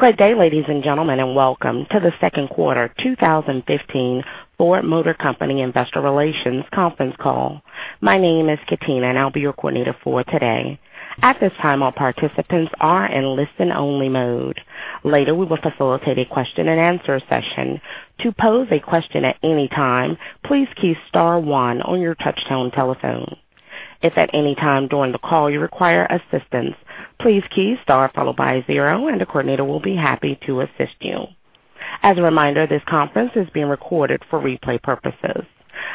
Good day, ladies and gentlemen, and welcome to the second quarter 2015 Ford Motor Company Investor Relations Conference Call. My name is Katina, and I'll be your coordinator for today. At this time, all participants are in listen only mode. Later, we will facilitate a question and answer session. To pose a question at any time, please key star one on your touchtone telephone. If at any time during the call you require assistance, please key star followed by zero and a coordinator will be happy to assist you. As a reminder, this conference is being recorded for replay purposes.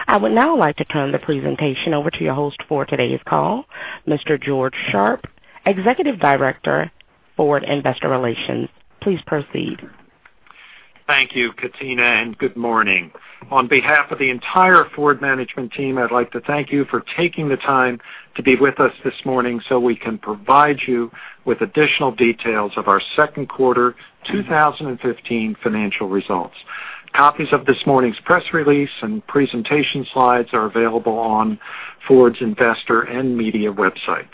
I would now like to turn the presentation over to your host for today's call, Mr. George Sharp, Executive Director, Ford Investor Relations. Please proceed. Thank you, Katina, and good morning. On behalf of the entire Ford management team, I'd like to thank you for taking the time to be with us this morning so we can provide you with additional details of our second quarter 2015 financial results. Copies of this morning's press release and presentation slides are available on Ford's investor and media websites.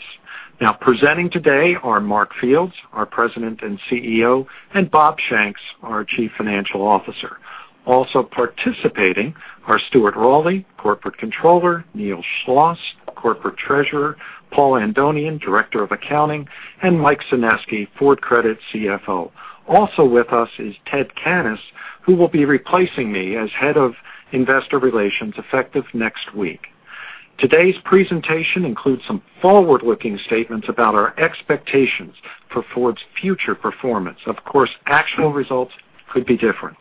Presenting today are Mark Fields, our President and CEO, and Bob Shanks, our Chief Financial Officer. Also participating are Stuart Rowley, Corporate Controller, Neil Schloss, Corporate Treasurer, Paul Andonian, Director of Accounting, and Mike Seneski, Ford Credit CFO. Also with us is Ted Cannis, who will be replacing me as Head of Investor Relations effective next week. Today's presentation includes some forward-looking statements about our expectations for Ford's future performance. Of course, actual results could be different.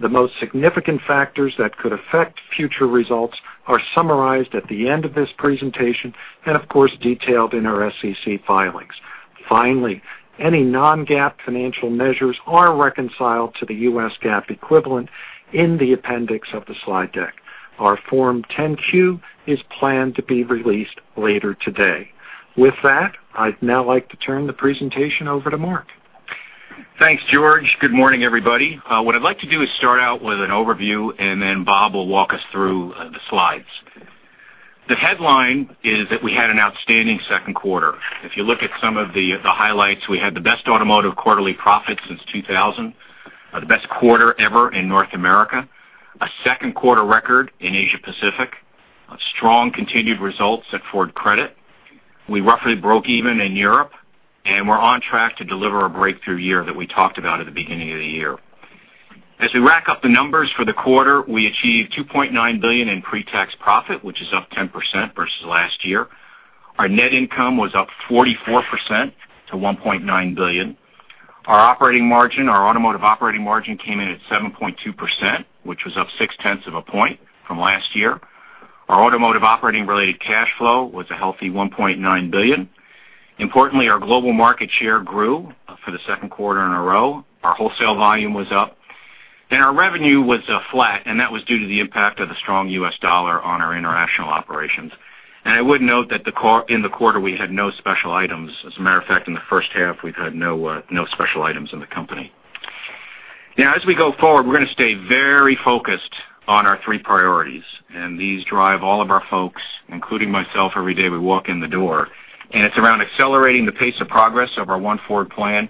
The most significant factors that could affect future results are summarized at the end of this presentation and, of course, detailed in our SEC filings. Any non-GAAP financial measures are reconciled to the U.S. GAAP equivalent in the appendix of the slide deck. Our Form 10-Q is planned to be released later today. I'd now like to turn the presentation over to Mark. Thanks, George. Good morning, everybody. What I'd like to do is start out with an overview, and then Bob will walk us through the slides. The headline is that we had an outstanding second quarter. If you look at some of the highlights, we had the best automotive quarterly profit since 2000, the best quarter ever in North America, a second quarter record in Asia Pacific, strong continued results at Ford Credit. We roughly broke even in Europe, and we're on track to deliver a breakthrough year that we talked about at the beginning of the year. As we rack up the numbers for the quarter, we achieved $2.9 billion in pre-tax profit, which is up 10% versus last year. Our net income was up 44% to $1.9 billion. Our operating margin, our automotive operating margin came in at 7.2%, which was up six-tenths of a point from last year. Our automotive operating related cash flow was a healthy $1.9 billion. Our global market share grew for the second quarter in a row. Our wholesale volume was up. Our revenue was flat, and that was due to the impact of the strong U.S. dollar on our international operations. I would note that in the quarter, we had no special items. As a matter of fact, in the first half, we've had no special items in the company. As we go forward, we're going to stay very focused on our three priorities, and these drive all of our folks, including myself, every day we walk in the door, and it's around accelerating the pace of progress of our One Ford plan,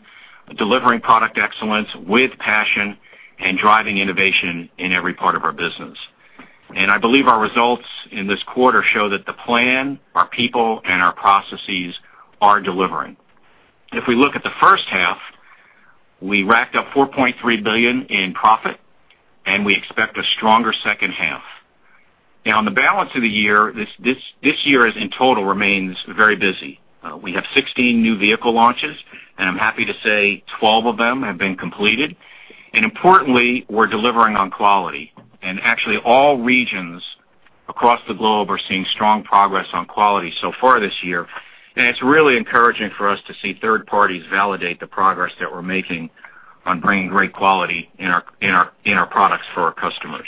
delivering product excellence with passion, and driving innovation in every part of our business. I believe our results in this quarter show that the plan, our people, and our processes are delivering. If we look at the first half, we racked up $4.3 billion in profit, and we expect a stronger second half. On the balance of the year, this year in total remains very busy. We have 16 new vehicle launches, and I'm happy to say 12 of them have been completed. Importantly, we're delivering on quality. Actually, all regions across the globe are seeing strong progress on quality so far this year. It's really encouraging for us to see third parties validate the progress that we're making on bringing great quality in our products for our customers.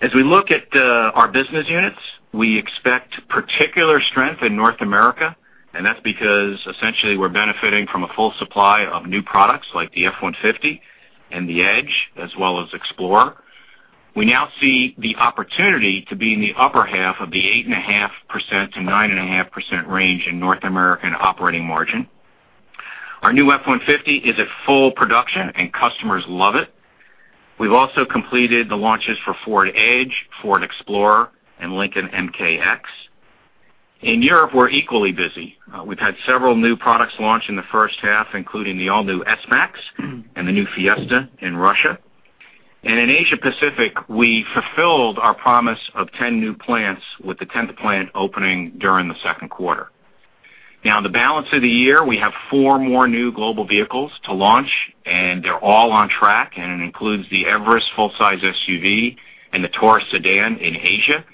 As we look at our business units, we expect particular strength in North America, and that's because essentially we're benefiting from a full supply of new products like the F-150 and the Edge, as well as Explorer. We now see the opportunity to be in the upper half of the 8.5%-9.5% range in North American operating margin. Our new F-150 is at full production, and customers love it. We've also completed the launches for Ford Edge, Ford Explorer, and Lincoln MKX. In Europe, we're equally busy. We've had several new products launch in the first half, including the all-new S-Max and the New Fiesta in Russia. In Asia Pacific, we fulfilled our promise of 10 new plants with the 10th plant opening during the second quarter. In the balance of the year, we have four more new global vehicles to launch, and they're all on track. It includes the Everest full-size SUV and the Taurus sedan in Asia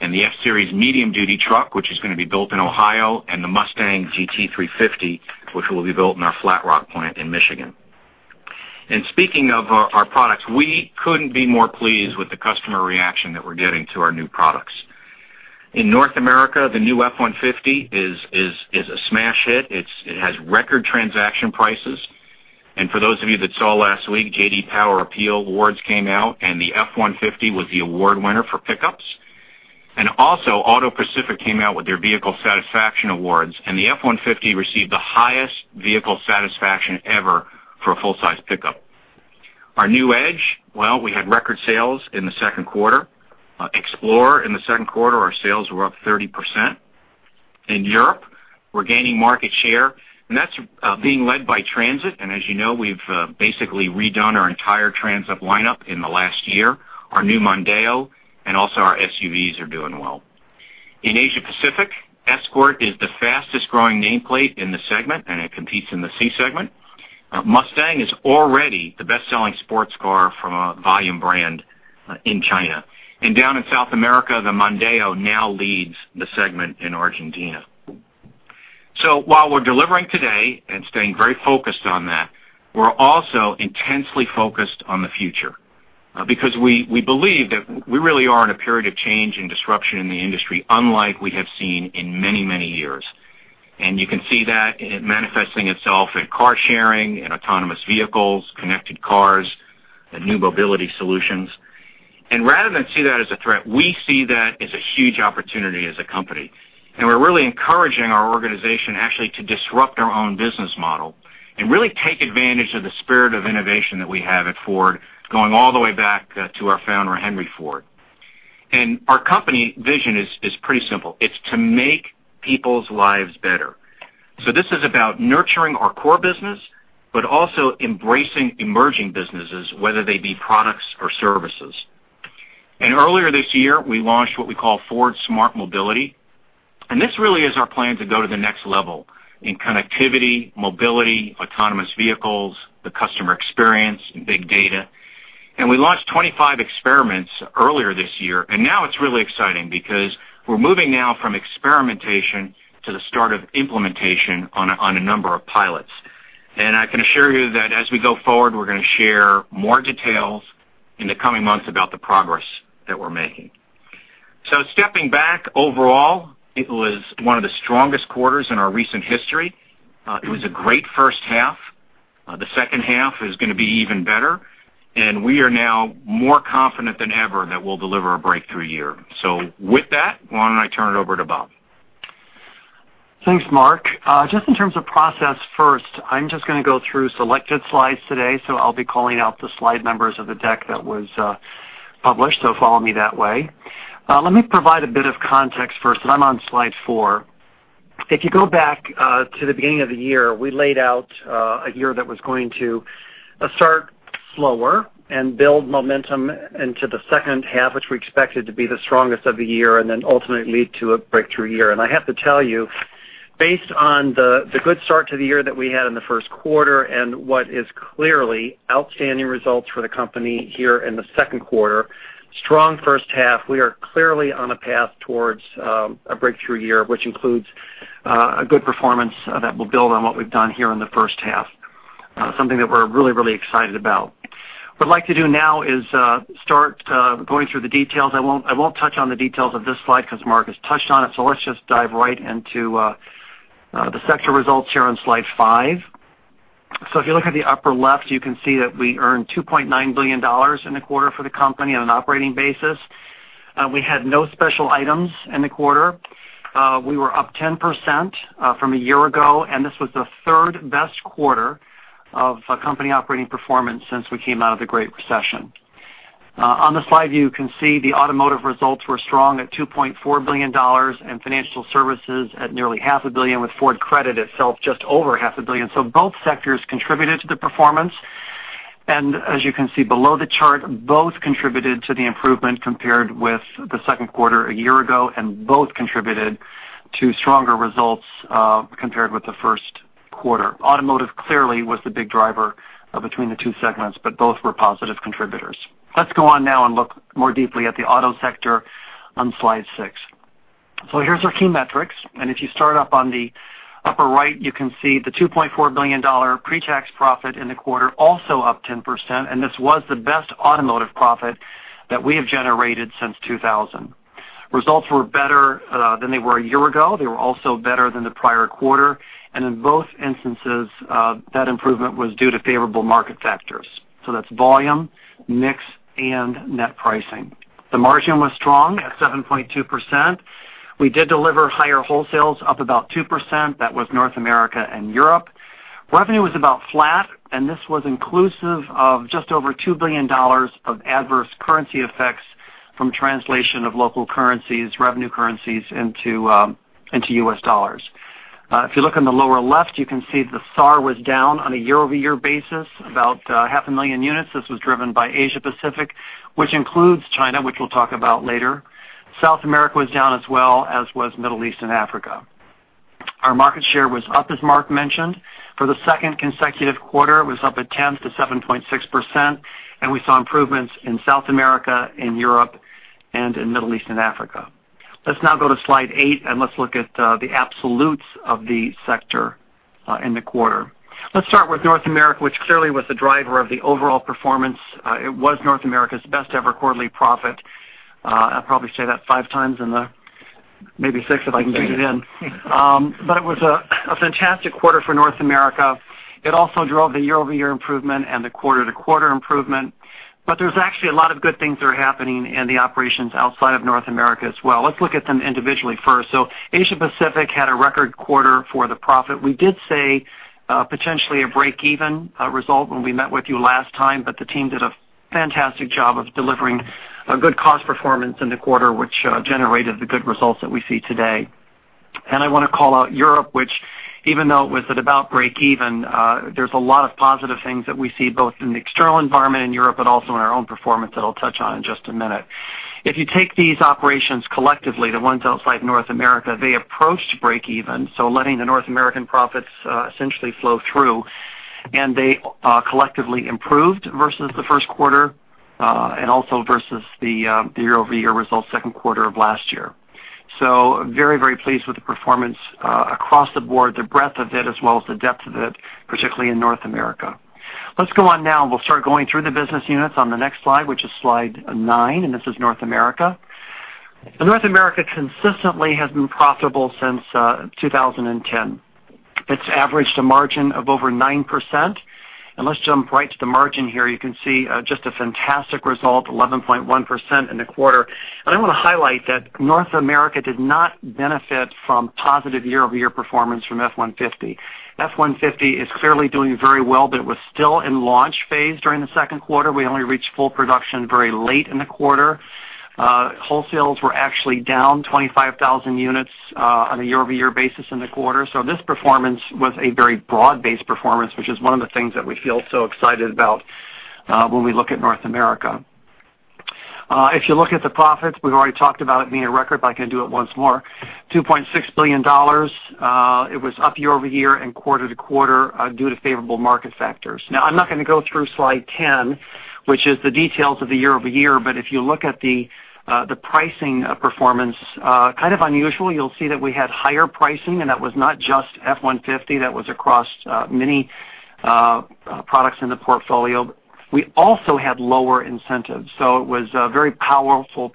and the F-Series medium duty truck, which is going to be built in Ohio, and the Shelby GT350 Mustang, which will be built in our Flat Rock plant in Michigan. Speaking of our products, we couldn't be more pleased with the customer reaction that we're getting to our new products. In North America, the new F-150 is a smash hit. It has record transaction prices. For those of you that saw last week, J.D. Power APEAL awards came out and the F-150 was the award winner for pickups. Also AutoPacific came out with their vehicle satisfaction awards, and the F-150 received the highest vehicle satisfaction ever for a full-size pickup. Our new Edge, well, we had record sales in the second quarter. Explorer in the second quarter, our sales were up 30%. In Europe, we're gaining market share, and that's being led by Transit. As you know, we've basically redone our entire Transit lineup in the last year. Our new Mondeo and also our SUVs are doing well. In Asia-Pacific, Escort is the fastest-growing nameplate in the segment, and it competes in the C segment. Mustang is already the best-selling sports car from a volume brand in China. Down in South America, the Mondeo now leads the segment in Argentina. While we're delivering today and staying very focused on that, we're also intensely focused on the future because we believe that we really are in a period of change and disruption in the industry unlike we have seen in many, many years. You can see that it manifesting itself in car sharing and autonomous vehicles, connected cars, and new mobility solutions. Rather than see that as a threat, we see that as a huge opportunity as a company. We're really encouraging our organization actually to disrupt our own business model and really take advantage of the spirit of innovation that we have at Ford, going all the way back to our founder, Henry Ford. Our company vision is pretty simple. It's to make people's lives better. This is about nurturing our core business, but also embracing emerging businesses, whether they be products or services. Earlier this year, we launched what we call Ford Smart Mobility, and this really is our plan to go to the next level in connectivity, mobility, autonomous vehicles, the customer experience, and big data. We launched 25 experiments earlier this year, and now it's really exciting because we're moving now from experimentation to the start of implementation on a number of pilots. I can assure you that as we go forward, we're going to share more details in the coming months about the progress that we're making. Stepping back, overall, it was one of the strongest quarters in our recent history. It was a great first half. The second half is going to be even better, and we are now more confident than ever that we'll deliver a breakthrough year. With that, why don't I turn it over to Bob? Thanks, Mark. Just in terms of process first, I'm just going to go through selected slides today, so I'll be calling out the slide numbers of the deck that was published, so follow me that way. Let me provide a bit of context first, and I'm on slide four. If you go back to the beginning of the year, we laid out a year that was going to start slower and build momentum into the second half, which we expected to be the strongest of the year and then ultimately lead to a breakthrough year. I have to tell you, based on the good start to the year that we had in the first quarter and what is clearly outstanding results for the company here in the second quarter, strong first half, we are clearly on a path towards a breakthrough year, which includes a good performance that will build on what we've done here in the first half. Something that we're really excited about. What I'd like to do now is start going through the details. I won't touch on the details of this slide because Mark has touched on it. Let's just dive right into the sector results here on slide five. If you look at the upper left, you can see that we earned $2.9 billion in the quarter for the company on an operating basis. We had no special items in the quarter. We were up 10% from a year ago, and this was the third-best quarter of company operating performance since we came out of the Great Recession. On the slide view, you can see the automotive results were strong at $2.4 billion and financial services at nearly half a billion, with Ford Credit itself just over half a billion. Both sectors contributed to the performance. As you can see below the chart, both contributed to the improvement compared with the second quarter a year ago, and both contributed to stronger results compared with the first quarter. Automotive clearly was the big driver between the two segments, but both were positive contributors. Let's go on now and look more deeply at the auto sector on slide six. Here's our key metrics. If you start up on the upper right, you can see the $2.4 billion pre-tax profit in the quarter also up 10%, and this was the best automotive profit that we have generated since 2000. Results were better than they were a year ago. They were also better than the prior quarter. In both instances, that improvement was due to favorable market factors. That's volume, mix, and net pricing. The margin was strong at 7.2%. We did deliver higher wholesales up about 2%. That was North America and Europe. Revenue was about flat, and this was inclusive of just over $2 billion of adverse currency effects from translation of local currencies, revenue currencies into U.S. dollars. If you look in the lower left, you can see the SAAR was down on a year-over-year basis, about half a million units. This was driven by Asia-Pacific, which includes China, which we'll talk about later. South America was down as well, as was Middle East and Africa. Our market share was up, as Mark mentioned. For the second consecutive quarter, it was up a tenth to 7.6%, and we saw improvements in South America, in Europe, and in Middle East and Africa. Let's now go to slide eight. Let's look at the absolutes of the sector in the quarter. Let's start with North America, which clearly was the driver of the overall performance. It was North America's best-ever quarterly profit. I'll probably say that five times in the Maybe six if I can squeeze it in. It was a fantastic quarter for North America. It also drove the year-over-year improvement and the quarter-to-quarter improvement. There's actually a lot of good things that are happening in the operations outside of North America as well. Let's look at them individually first. Asia Pacific had a record quarter for the profit. We did say potentially a break-even result when we met with you last time, but the team did a fantastic job of delivering a good cost performance in the quarter, which generated the good results that we see today. I want to call out Europe, which even though it was at about break-even, there's a lot of positive things that we see both in the external environment in Europe but also in our own performance that I'll touch on in just a minute. If you take these operations collectively, the ones outside North America, they approached break-even, so letting the North American profits essentially flow through. They collectively improved versus the first quarter and also versus the year-over-year results second quarter of last year. Very, very pleased with the performance across the board, the breadth of it as well as the depth of it, particularly in North America. Let's go on now and we'll start going through the business units on the next slide, which is slide nine, and this is North America. North America consistently has been profitable since 2010. It's averaged a margin of over 9%, and let's jump right to the margin here. You can see just a fantastic result, 11.1% in the quarter. I want to highlight that North America did not benefit from positive year-over-year performance from F-150. F-150 is clearly doing very well, but it was still in launch phase during the second quarter. We only reached full production very late in the quarter. Wholesales were actually down 25,000 units on a year-over-year basis in the quarter. This performance was a very broad-based performance, which is one of the things that we feel so excited about when we look at North America. If you look at the profits, we've already talked about it being a record, but I can do it once more, $2.6 billion. It was up year-over-year and quarter-to-quarter due to favorable market factors. I'm not going to go through slide 10, which is the details of the year-over-year, but if you look at the pricing performance, kind of unusual, you'll see that we had higher pricing and that was not just F-150, that was across many products in the portfolio. We also had lower incentives. It was a very powerful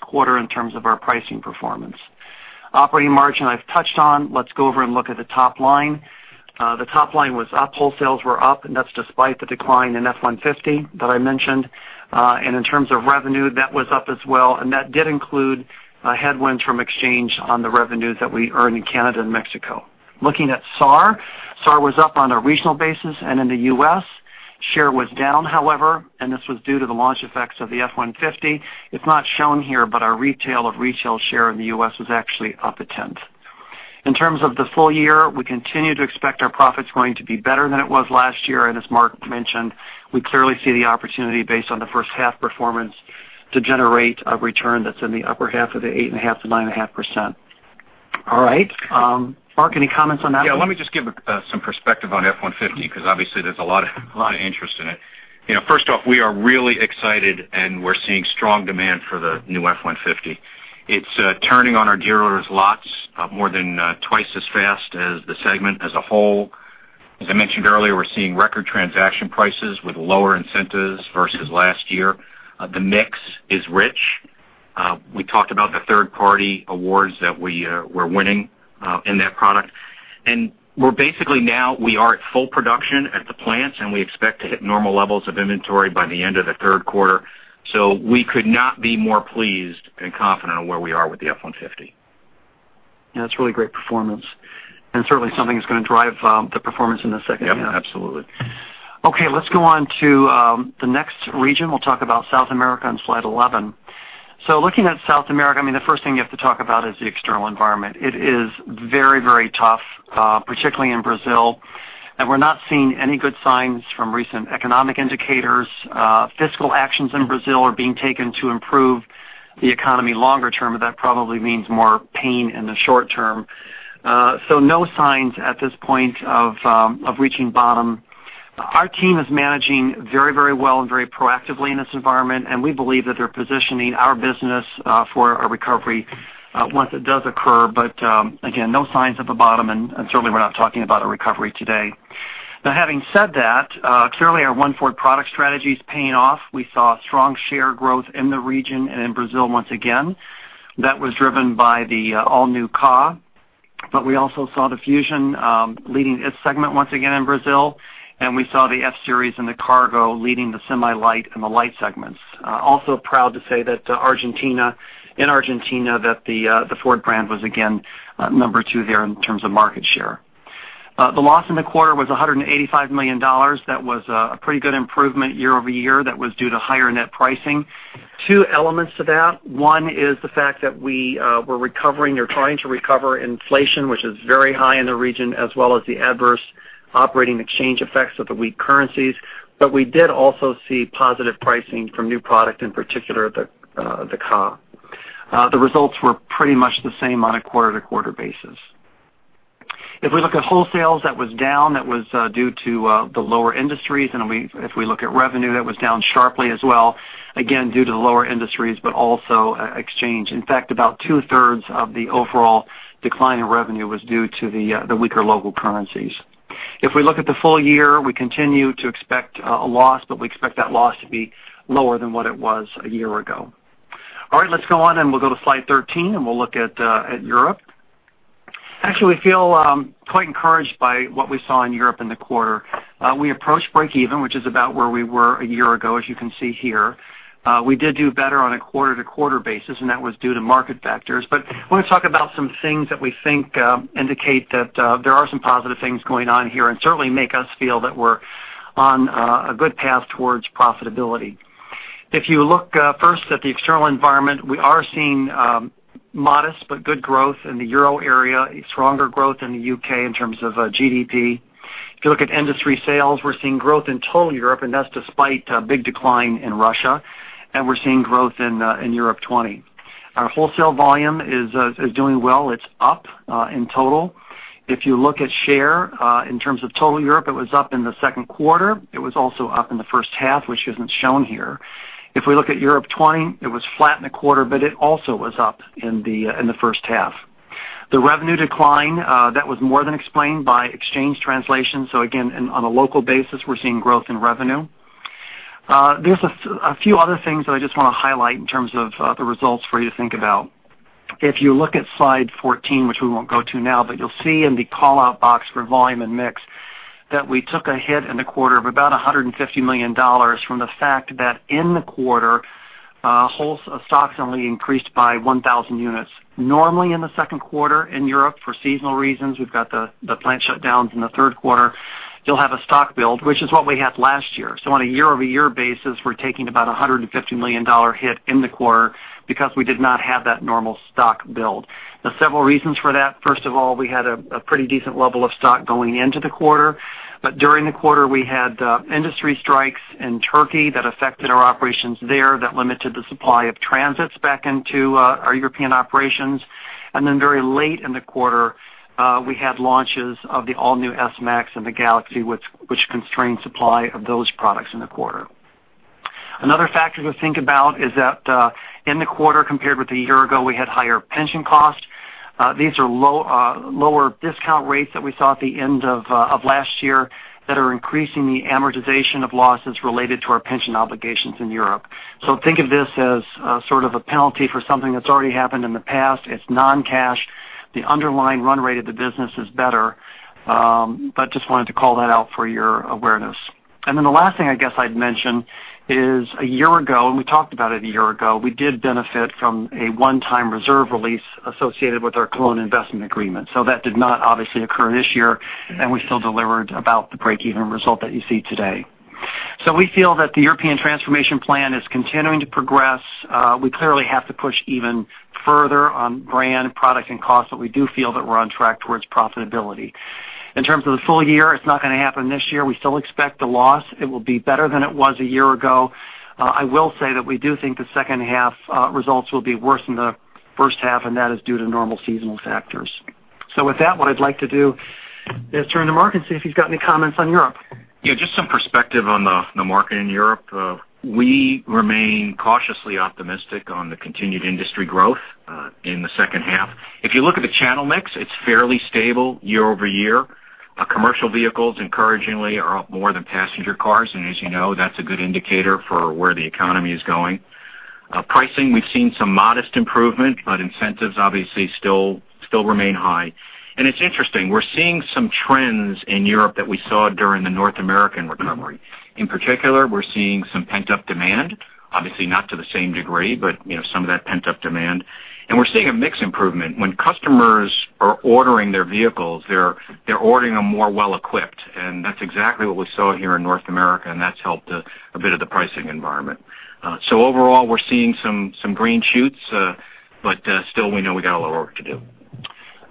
quarter in terms of our pricing performance. Operating margin I've touched on. Let's go over and look at the top line. The top line was up, wholesales were up, and that's despite the decline in F-150 that I mentioned. In terms of revenue, that was up as well, and that did include headwinds from exchange on the revenues that we earned in Canada and Mexico. Looking at SAR was up on a regional basis and in the U.S. Share was down, however, and this was due to the launch effects of the F-150. It's not shown here, but our retail of retail share in the U.S. was actually up a tenth. In terms of the full year, we continue to expect our profits going to be better than it was last year and as Mark mentioned, we clearly see the opportunity based on the first half performance to generate a return that's in the upper half of the 8.5%-9.5%. All right. Mark, any comments on that? Yeah, let me just give some perspective on F-150 because obviously there's a lot of interest in it. First off, we are really excited and we're seeing strong demand for the new F-150. It's turning on our dealer's lots more than twice as fast as the segment as a whole. As I mentioned earlier, we're seeing record transaction prices with lower incentives versus last year. The mix is rich. We talked about the third-party awards that we're winning in that product. We're basically now we are at full production at the plants, and we expect to hit normal levels of inventory by the end of the third quarter. We could not be more pleased and confident on where we are with the F-150. Yeah, it's really great performance and certainly something that's going to drive the performance in the second half. Yep, absolutely. Let's go on to the next region. We'll talk about South America on slide 11. Looking at South America, the first thing you have to talk about is the external environment. It is very, very tough, particularly in Brazil. We're not seeing any good signs from recent economic indicators. Fiscal actions in Brazil are being taken to improve the economy longer term, but that probably means more pain in the short term. No signs at this point of reaching bottom. Our team is managing very, very well and very proactively in this environment, and we believe that they're positioning our business for a recovery once it does occur. Again, no signs of a bottom and certainly we're not talking about a recovery today. Having said that, clearly our One Ford product strategy is paying off. We saw strong share growth in the region and in Brazil once again. That was driven by the all-new Ka, but we also saw the Fusion leading its segment once again in Brazil, and we saw the F-Series and the Cargo leading the semi-light and the light segments. Also proud to say that in Argentina that the Ford brand was again number two there in terms of market share. The loss in the quarter was $185 million. That was a pretty good improvement year-over-year. That was due to higher net pricing. Two elements to that. One is the fact that we were recovering or trying to recover inflation, which is very high in the region, as well as the adverse operating exchange effects of the weak currencies. We did also see positive pricing from new product, in particular the Ka. The results were pretty much the same on a quarter-over-quarter basis. We look at wholesales, that was down. That was due to the lower industries and if we look at revenue, that was down sharply as well, again, due to the lower industries, but also exchange. In fact, about two-thirds of the overall decline in revenue was due to the weaker local currencies. We look at the full year, we continue to expect a loss, but we expect that loss to be lower than what it was a year ago. Let's go on and we'll go to slide 13 and we'll look at Europe. Actually, we feel quite encouraged by what we saw in Europe in the quarter. We approached breakeven, which is about where we were a year ago, as you can see here. We did do better on a quarter-over-quarter basis, and that was due to market factors. I want to talk about some things that we think indicate that there are some positive things going on here and certainly make us feel that we're on a good path towards profitability. You look first at the external environment, we are seeing modest but good growth in the Euro area, a stronger growth in the U.K. in terms of GDP. You look at industry sales, we're seeing growth in total Europe, and that's despite a big decline in Russia. We're seeing growth in Europe 20. Our wholesale volume is doing well. It's up in total. You look at share in terms of total Europe, it was up in the second quarter. It was also up in the first half, which isn't shown here. If we look at Europe 20, it was flat in the quarter, but it also was up in the first half. The revenue decline, that was more than explained by exchange translation. Again, on a local basis, we're seeing growth in revenue. There's a few other things that I just want to highlight in terms of the results for you to think about. If you look at slide 14, which we won't go to now, but you'll see in the call-out box for volume and mix that we took a hit in the quarter of about $150 million from the fact that in the quarter, stocks only increased by 1,000 units. Normally in the second quarter in Europe, for seasonal reasons, we've got the plant shutdowns in the third quarter, you'll have a stock build, which is what we had last year. On a year-over-year basis, we're taking about a $150 million hit in the quarter because we did not have that normal stock build. There's several reasons for that. First of all, we had a pretty decent level of stock going into the quarter. During the quarter, we had industry strikes in Turkey that affected our operations there, that limited the supply of Transits back into our European operations. Very late in the quarter, we had launches of the all-new S-MAX and the Galaxy, which constrained supply of those products in the quarter. Another factor to think about is that in the quarter compared with a year ago, we had higher pension costs. These are lower discount rates that we saw at the end of last year that are increasing the amortization of losses related to our pension obligations in Europe. Think of this as sort of a penalty for something that's already happened in the past. It's non-cash. The underlying run rate of the business is better. Just wanted to call that out for your awareness. The last thing I guess I'd mention is a year ago, and we talked about it a year ago, we did benefit from a one-time reserve release associated with our Cologne investment agreement. That did not obviously occur this year, and we still delivered about the breakeven result that you see today. We feel that the European transformation plan is continuing to progress. We clearly have to push even further on brand, product, and cost, but we do feel that we're on track towards profitability. In terms of the full year, it's not going to happen this year. We still expect a loss. It will be better than it was a year ago. I will say that we do think the second half results will be worse than the first half, and that is due to normal seasonal factors. With that, what I'd like to do is turn to Mark and see if he's got any comments on Europe. Just some perspective on the market in Europe. We remain cautiously optimistic on the continued industry growth in the second half. If you look at the channel mix, it's fairly stable year-over-year. Commercial vehicles, encouragingly, are up more than passenger cars. As you know, that's a good indicator for where the economy is going. Pricing, we've seen some modest improvement, but incentives obviously still remain high. It's interesting. We're seeing some trends in Europe that we saw during the North American recovery. In particular, we're seeing some pent-up demand, obviously not to the same degree, but some of that pent-up demand. We're seeing a mix improvement. When customers are ordering their vehicles, they're ordering them more well-equipped. That's exactly what we saw here in North America, and that's helped a bit of the pricing environment. Overall, we're seeing some green shoots, but still we know we got a lot of work to do.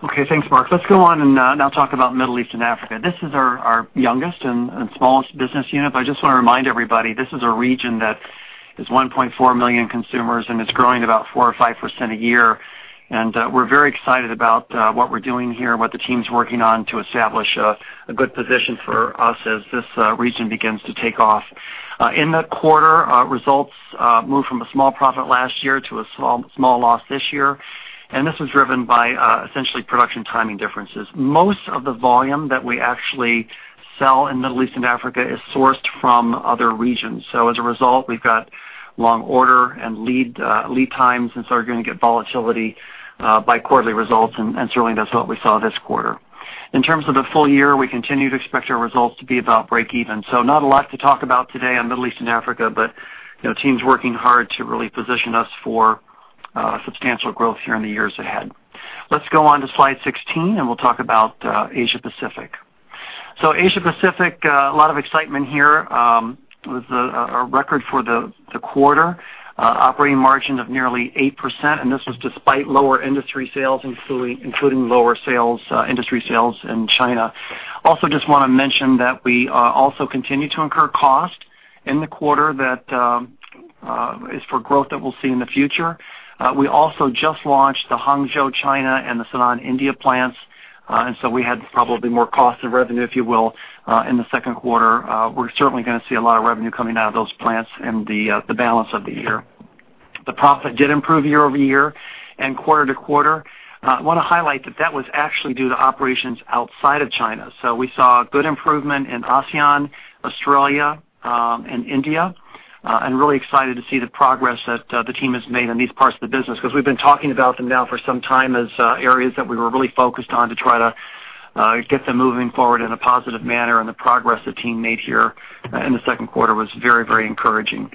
Okay, thanks Mark. Let's go on and now talk about Middle East and Africa. This is our youngest and smallest business unit, but I just want to remind everybody, this is a region that is 1.4 million consumers and it's growing about 4% or 5% a year. We're very excited about what we're doing here and what the team's working on to establish a good position for us as this region begins to take off. In the quarter, results moved from a small profit last year to a small loss this year. This was driven by essentially production timing differences. Most of the volume that we actually sell in Middle East and Africa is sourced from other regions. As a result, we've got long order and lead times and so you're going to get volatility by quarterly results, and certainly that's what we saw this quarter. In terms of the full year, we continue to expect our results to be about breakeven. Not a lot to talk about today on Middle East and Africa, but the team's working hard to really position us for substantial growth here in the years ahead. Let's go on to slide 16 and we'll talk about Asia Pacific. Asia Pacific, a lot of excitement here with a record for the quarter operating margin of nearly 8%, this was despite lower industry sales, including lower industry sales in China. Also just want to mention that we also continue to incur cost in the quarter that is for growth that we'll see in the future. We also just launched the Hangzhou, China and the Sanand, India plants, so we had probably more cost of revenue, if you will, in the second quarter. We're certainly going to see a lot of revenue coming out of those plants in the balance of the year. The profit did improve year-over-year and quarter-to-quarter. I want to highlight that was actually due to operations outside of China. We saw a good improvement in ASEAN, Australia, and India, and really excited to see the progress that the team has made in these parts of the business because we've been talking about them now for some time as areas that we were really focused on to try to get them moving forward in a positive manner and the progress the team made here in the second quarter was very encouraging.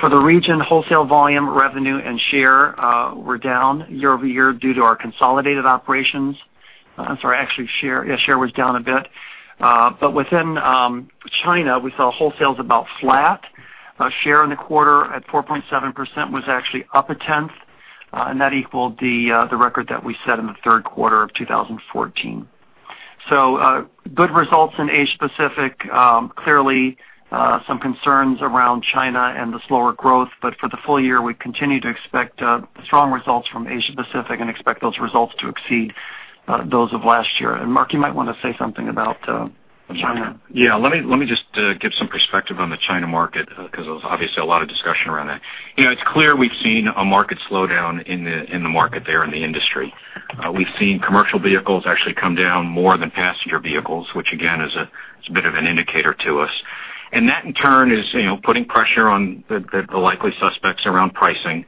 For the region, wholesale volume, revenue, and share were down year-over-year due to our consolidated operations. Sorry, actually share was down a bit. Within China, we saw wholesales about flat. Share in the quarter at 4.7% was actually up a tenth, and that equaled the record that we set in the third quarter of 2014. Good results in Asia Pacific. Clearly some concerns around China and the slower growth, for the full year, we continue to expect strong results from Asia Pacific and expect those results to exceed those of last year. Mark, you might want to say something about China. Yeah. Let me just give some perspective on the China market, because there was obviously a lot of discussion around that. It's clear we've seen a market slowdown in the market there in the industry. We've seen commercial vehicles actually come down more than passenger vehicles, which again, is a bit of an indicator to us. That in turn is putting pressure on the likely suspects around pricing.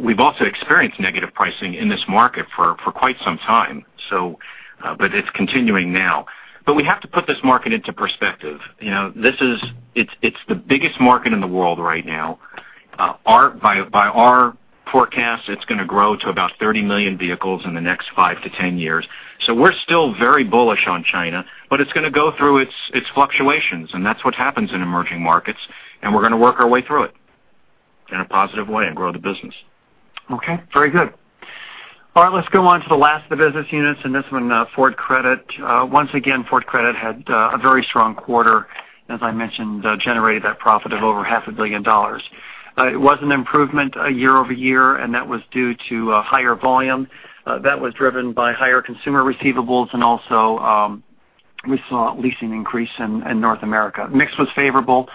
We've also experienced negative pricing in this market for quite some time. It's continuing now. We have to put this market into perspective. It's the biggest market in the world right now. By our forecast, it's going to grow to about 30 million vehicles in the next five to ten years. We're still very bullish on China, it's going to go through its fluctuations, that's what happens in emerging markets, we're going to work our way through it in a positive way and grow the business. Okay, very good. All right. Let's go on to the last of the business units, this one, Ford Credit. Once again, Ford Credit had a very strong quarter, as I mentioned, generated that profit of over half a billion dollars. It was an improvement year-over-year, that was due to higher volume. That was driven by higher consumer receivables, also we saw leasing increase in North America. Mix was favorable.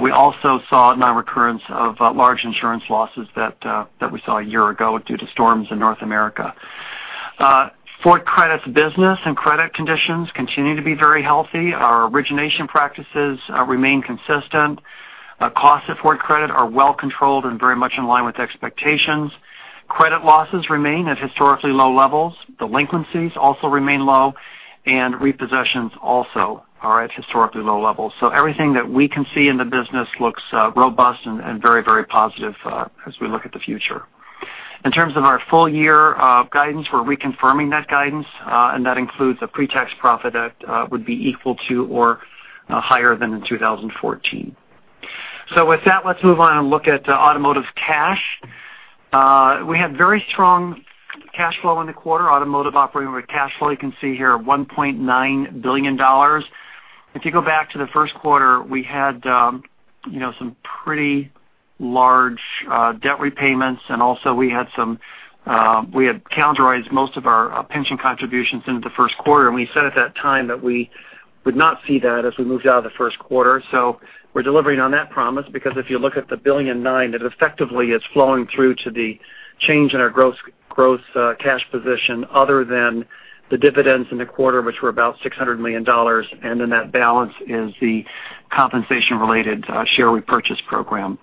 We also saw non-recurrence of large insurance losses that we saw a year ago due to storms in North America. Ford Credit's business and credit conditions continue to be very healthy. Our origination practices remain consistent. Costs at Ford Credit are well controlled and very much in line with expectations. Credit losses remain at historically low levels. Delinquencies also remain low, repossessions also are at historically low levels. Everything that we can see in the business looks robust and very positive as we look at the future. In terms of our full-year guidance, we're reconfirming that guidance, that includes a pre-tax profit that would be equal to or higher than in 2014. With that, let's move on and look at automotive cash. We had very strong cash flow in the quarter. Automotive operating with cash flow, you can see here, $1.9 billion. If you go back to the first quarter, we had some pretty large debt repayments also we had calendarized most of our pension contributions into the first quarter, we said at that time that we would not see that as we moved out of the first quarter. We're delivering on that promise because if you look at the billion nine, it effectively is flowing through to the change in our gross cash position other than the dividends in the quarter, which were about $600 million, that balance is the compensation-related share repurchase program.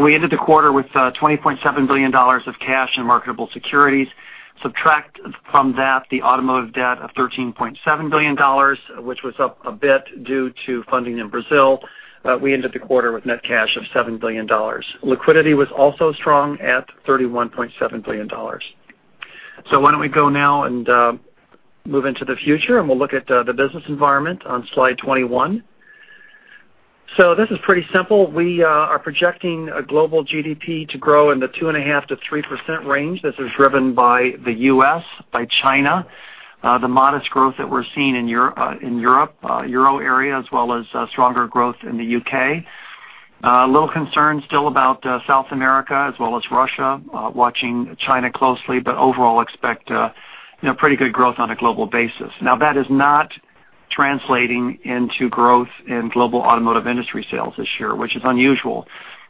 We ended the quarter with $20.7 billion of cash and marketable securities. Subtract from that the automotive debt of $13.7 billion, which was up a bit due to funding in Brazil. We ended the quarter with net cash of $7 billion. Liquidity was also strong at $31.7 billion. Why don't we go now and move into the future, we'll look at the business environment on slide 21. This is pretty simple. We are projecting a global GDP to grow in the 2.5%-3% range. This is driven by the U.S., by China, the modest growth that we're seeing in Europe, Euro area, as well as stronger growth in the U.K. A little concern still about South America as well as Russia, watching China closely, overall expect pretty good growth on a global basis. Now, that is not translating into growth in global automotive industry sales this year, which is unusual.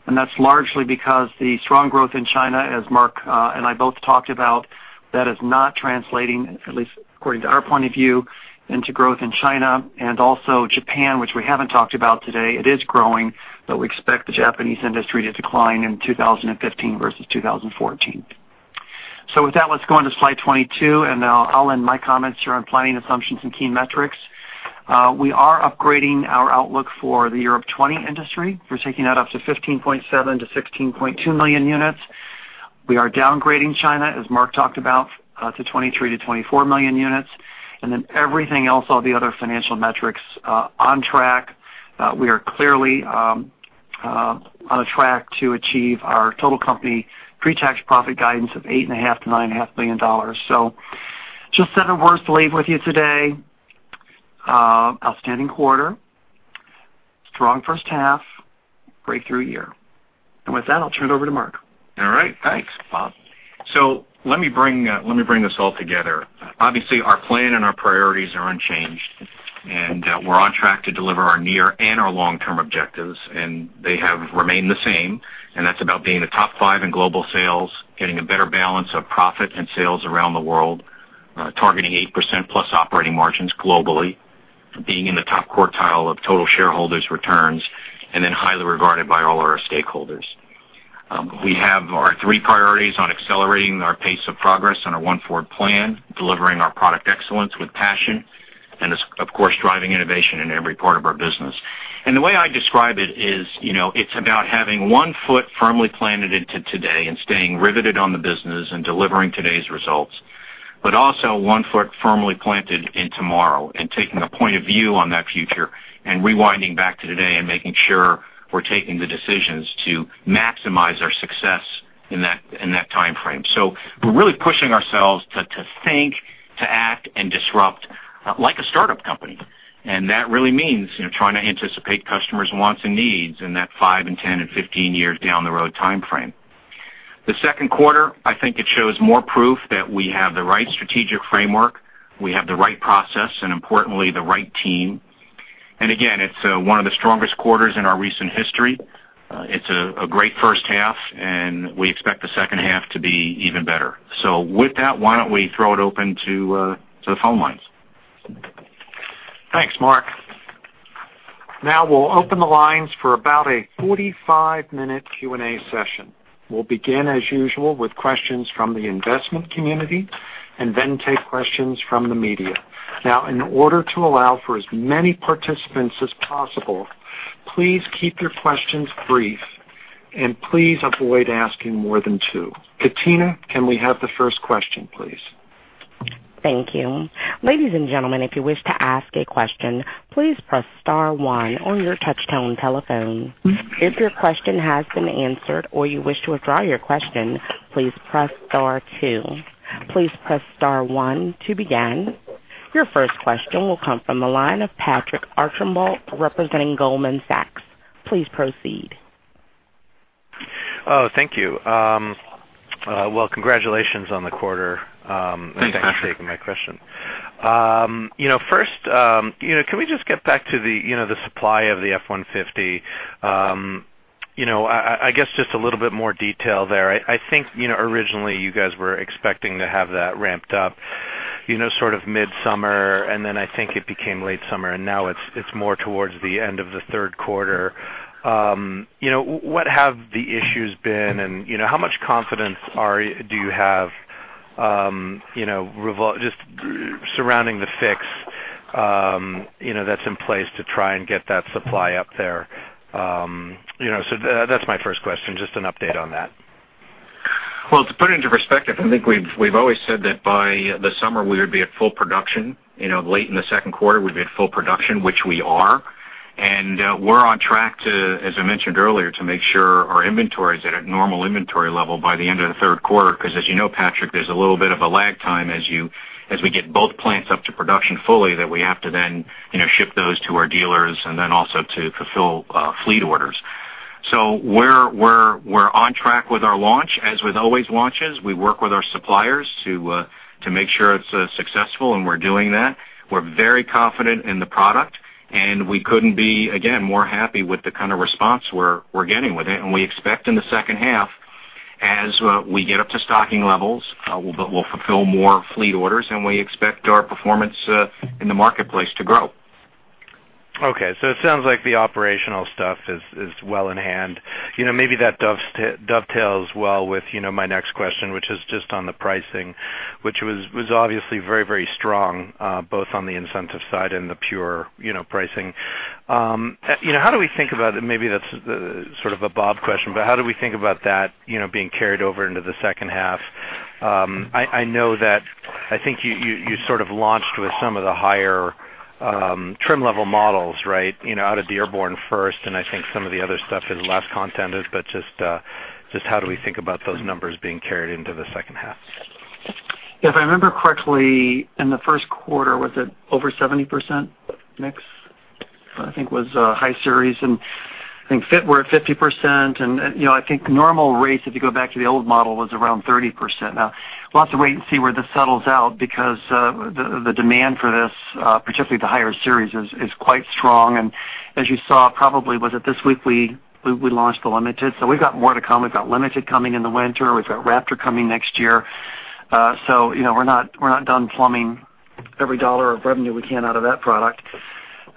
That's largely because the strong growth in China, as Mark and I both talked about, that is not translating, at least according to our point of view, into growth in China and also Japan, which we haven't talked about today. It is growing, we expect the Japanese industry to decline in 2015 versus 2014. With that, let's go on to slide 22, I'll end my comments here on planning assumptions and key metrics. We are upgrading our outlook for the year-of-20 industry. We are taking that up to 15.7 million-16.2 million units. We are downgrading China, as Mark talked about, to 23 million-24 million units. Everything else, all the other financial metrics on track. We are clearly on a track to achieve our total company pre-tax profit guidance of $8.5 billion-$9.5 billion. Just several words to leave with you today. Outstanding quarter. Strong first half. Breakthrough year. With that, I'll turn it over to Mark. All right. Thanks, Bob. Let me bring this all together. Obviously, our plan and our priorities are unchanged, and we're on track to deliver our near and our long-term objectives, and they have remained the same, and that's about being a top 5 in global sales, getting a better balance of profit and sales around the world, targeting 8%+ operating margins globally, being in the top quartile of total shareholders returns, and then highly regarded by all our stakeholders. We have our 3 priorities on accelerating our pace of progress on our One Ford plan, delivering our product excellence with passion, and of course, driving innovation in every part of our business. The way I describe it is, it's about having one foot firmly planted into today and staying riveted on the business and delivering today's results, but also one foot firmly planted in tomorrow and taking a point of view on that future and rewinding back to today and making sure we're taking the decisions to maximize our success in that timeframe. We're really pushing ourselves to think, to act and disrupt like a startup company. That really means trying to anticipate customers' wants and needs in that five and 10 and 15 years down the road timeframe. The second quarter, I think it shows more proof that we have the right strategic framework, we have the right process, and importantly, the right team. Again, it's one of the strongest quarters in our recent history. It's a great first half, and we expect the second half to be even better. With that, why don't we throw it open to the phone lines? Thanks, Mark. We'll open the lines for about a 45-minute Q&A session. We'll begin, as usual, with questions from the investment community and then take questions from the media. In order to allow for as many participants as possible, please keep your questions brief, and please avoid asking more than two. Katina, can we have the first question, please? Thank you. Ladies and gentlemen, if you wish to ask a question, please press star one on your touch-tone telephone. If your question has been answered or you wish to withdraw your question, please press star two. Please press star one to begin. Your first question will come from the line of Patrick Archambault representing Goldman Sachs. Please proceed. Thank you. Well, congratulations on the quarter. Thank you. Thanks for taking my question. First, can we just get back to the supply of the F-150? I guess just a little bit more detail there. I think originally you guys were expecting to have that ramped up sort of mid-summer, then I think it became late summer, and now it's more towards the end of the third quarter. What have the issues been, and how much confidence do you have just surrounding the fix that's in place to try and get that supply up there? That's my first question, just an update on that. Well, to put it into perspective, I think we've always said that by the summer we would be at full production. Late in the second quarter, we'd be at full production, which we are. We're on track to, as I mentioned earlier, to make sure our inventory is at a normal inventory level by the end of the third quarter, because as you know, Patrick, there's a little bit of a lag time as we get both plants up to production fully that we have to then ship those to our dealers and then also to fulfill fleet orders. We're on track with our launch. As with always launches, we work with our suppliers to make sure it's successful, and we're doing that. We're very confident in the product, and we couldn't be, again, more happy with the kind of response we're getting with it. We expect in the second half, as we get up to stocking levels, we'll fulfill more fleet orders, and we expect our performance in the marketplace to grow. It sounds like the operational stuff is well in hand. Maybe that dovetails well with my next question, which is just on the pricing, which was obviously very strong, both on the incentive side and the pure pricing. How do we think about it, maybe that's sort of a Bob question, but how do we think about that being carried over into the second half? I know that I think you sort of launched with some of the higher trim level models out of the airborne first, and I think some of the other stuff is less contented, but just how do we think about those numbers being carried into the second half? If I remember correctly, in the first quarter, was it over 70% mix? I think it was high series, and I think we're at 50%, and I think normal rates, if you go back to the old model, was around 30%. We'll have to wait and see where this settles out because the demand for this, particularly the higher series, is quite strong. As you saw, probably was it this week we launched the Limited. We've got more to come. We've got Limited coming in the winter. We've got Raptor coming next year. We're not done plumbing every dollar of revenue we can out of that product.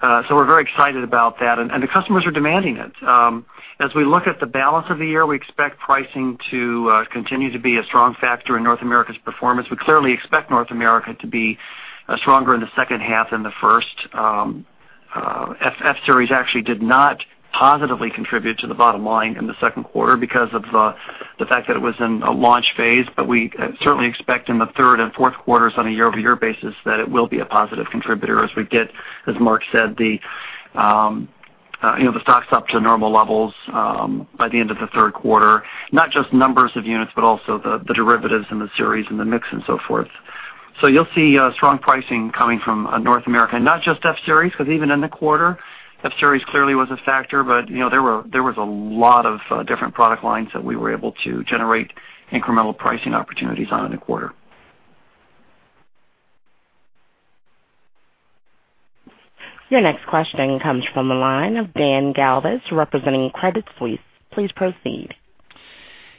We're very excited about that, and the customers are demanding it. As we look at the balance of the year, we expect pricing to continue to be a strong factor in North America's performance. We clearly expect North America to be stronger in the second half than the first. F-Series actually did not positively contribute to the bottom line in the second quarter because of the fact that it was in a launch phase. We certainly expect in the third and fourth quarters on a year-over-year basis that it will be a positive contributor as we get, as Mark said, the stocks up to normal levels by the end of the third quarter. Not just numbers of units, but also the derivatives and the series and the mix and so forth. You'll see strong pricing coming from North America, not just F-Series, because even in the quarter, F-Series clearly was a factor, but there was a lot of different product lines that we were able to generate incremental pricing opportunities on in the quarter. Your next question comes from the line of Dan Galves, representing Credit Suisse. Please proceed.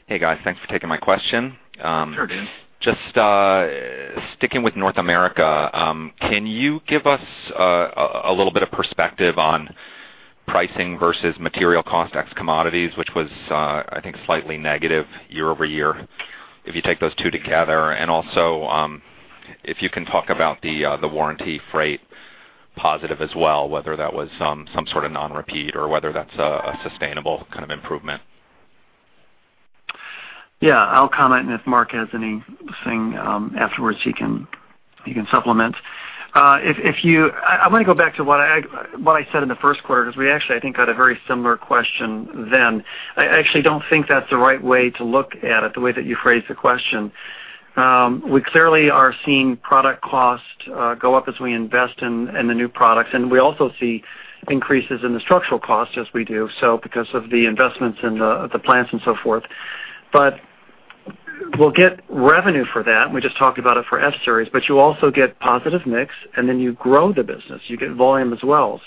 Hey, guys. Thanks for taking my question. Sure, Dan. Just sticking with North America, can you give us a little bit of perspective on pricing versus material cost ex commodities, which was, I think, slightly negative year-over-year, if you take those two together? Also, if you can talk about the warranty freight positive as well, whether that was some sort of non-repeat or whether that's a sustainable kind of improvement. Yeah, I'll comment and if Mark has anything afterwards, he can supplement. I'm going to go back to what I said in the first quarter, because we actually, I think, had a very similar question then. I actually don't think that's the right way to look at it, the way that you phrased the question. We clearly are seeing product cost go up as we invest in the new products, and we also see increases in the structural costs as we do, because of the investments in the plants and so forth. We'll get revenue for that, and we just talked about it for F-Series, you also get positive mix, you grow the business. You get volume as well.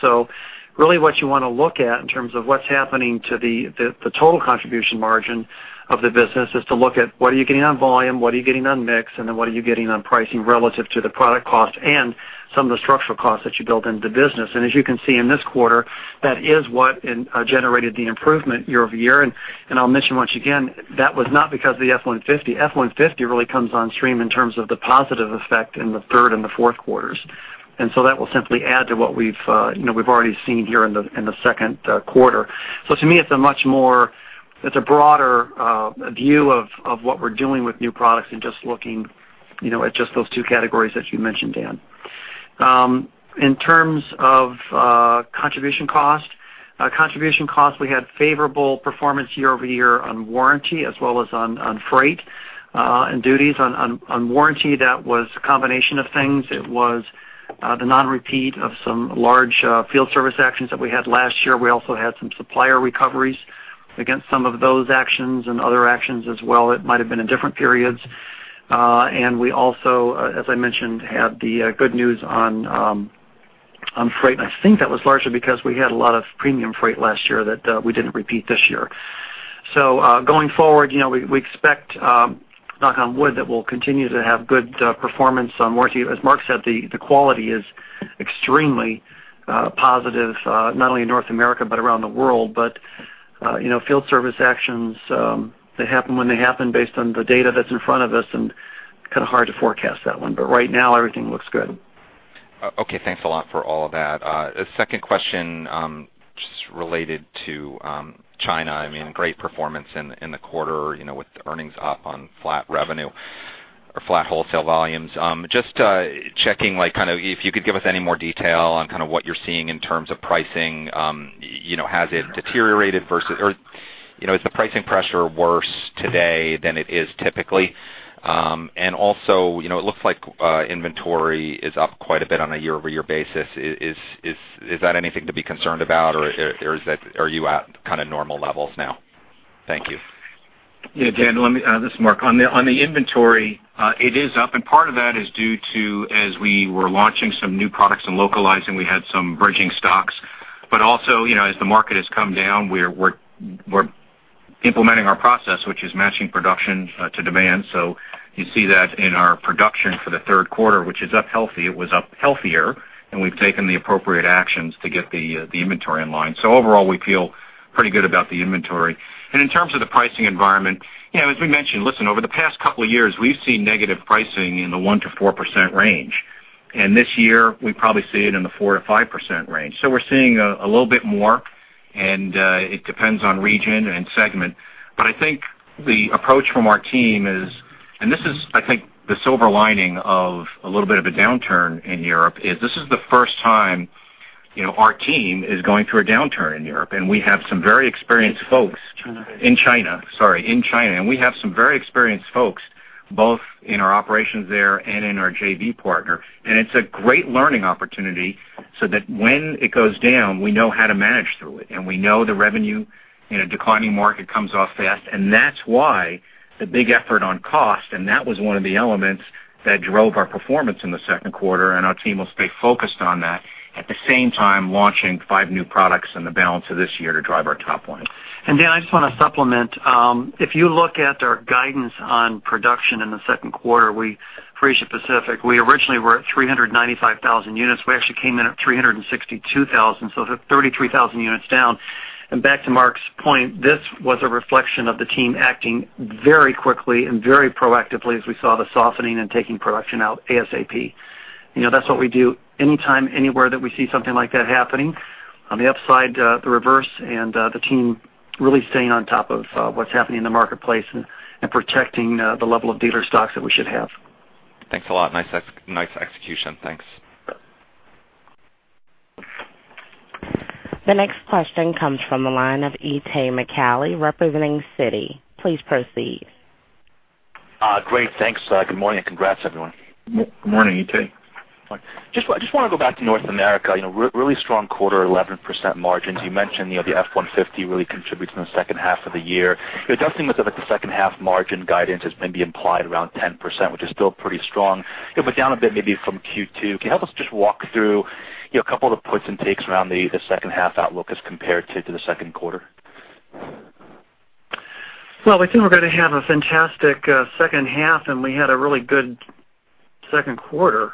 Really what you want to look at in terms of what's happening to the total contribution margin of the business is to look at what are you getting on volume, what are you getting on mix, and then what are you getting on pricing relative to the product cost and some of the structural costs that you build into business. As you can see in this quarter, that is what generated the improvement year-over-year. I'll mention once again, that was not because of the F-150. F-150 really comes on stream in terms of the positive effect in the third and the fourth quarters. That will simply add to what we've already seen here in the second quarter. To me, it's a broader view of what we're doing with new products than just looking at just those two categories that you mentioned, Dan. In terms of contribution cost, we had favorable performance year-over-year on warranty as well as on freight and duties. On warranty, that was a combination of things. It was the non-repeat of some large field service actions that we had last year. We also had some supplier recoveries against some of those actions and other actions as well. It might have been in different periods. We also, as I mentioned, had the good news on freight, and I think that was largely because we had a lot of premium freight last year that we didn't repeat this year. Going forward, we expect, knock on wood, that we'll continue to have good performance on warranty. As Mark said, the quality is extremely positive, not only in North America but around the world. Field service actions, they happen when they happen based on the data that's in front of us and kind of hard to forecast that one. Right now, everything looks good. Okay, thanks a lot for all of that. A second question, just related to China. Great performance in the quarter with earnings up on flat revenue or flat wholesale volumes. Just checking, if you could give us any more detail on what you're seeing in terms of pricing. Has it deteriorated versus or is the pricing pressure worse today than it is typically? Also, it looks like inventory is up quite a bit on a year-over-year basis. Is that anything to be concerned about, or are you at kind of normal levels now? Thank you. Yeah, Dan, this is Mark. On the inventory, it is up, and part of that is due to, as we were launching some new products and localizing, we had some bridging stocks. Also, as the market has come down, we're implementing our process, which is matching production to demand. You see that in our production for the third quarter, which is up healthy. It was up healthier, and we've taken the appropriate actions to get the inventory in line. Overall, we feel pretty good about the inventory. In terms of the pricing environment, as we mentioned, listen, over the past couple of years, we've seen negative pricing in the 1%-4% range. This year, we probably see it in the 4%-5% range. We're seeing a little bit more, and it depends on region and segment. I think the approach from our team is, this is, I think, the silver lining of a little bit of a downturn in Europe, is this is the first time our team is going through a downturn in Europe, we have some very experienced folks- In China. In China, sorry. In China. We have some very experienced folks, both in our operations there and in our JV partner. It's a great learning opportunity so that when it goes down, we know how to manage through it, we know the revenue in a declining market comes off fast. That's why the big effort on cost, that was one of the elements that drove our performance in the second quarter, our team will stay focused on that, at the same time launching five new products in the balance of this year to drive our top line. Dan, I just want to supplement. If you look at our guidance on production in the second quarter for Asia Pacific, we originally were at 395,000 units. We actually came in at 362,000, so 33,000 units down. Back to Mark's point, this was a reflection of the team acting very quickly and very proactively as we saw the softening and taking production out ASAP. That's what we do anytime, anywhere that we see something like that happening. On the upside, the reverse and the team really staying on top of what's happening in the marketplace and protecting the level of dealer stocks that we should have. Thanks a lot. Nice execution. Thanks. The next question comes from the line of Itay Michaeli representing Citi. Please proceed. Great. Thanks. Good morning, and congrats, everyone. Good morning, Itay. Just want to go back to North America. Really strong quarter, 11% margins. You mentioned the F-150 really contributes in the second half of the year. It does seem as if the second half margin guidance has been implied around 10%, which is still pretty strong, but down a bit maybe from Q2. Can you help us just walk through a couple of the puts and takes around the second half outlook as compared to the second quarter? Well, we think we're going to have a fantastic second half, and we had a really good second quarter.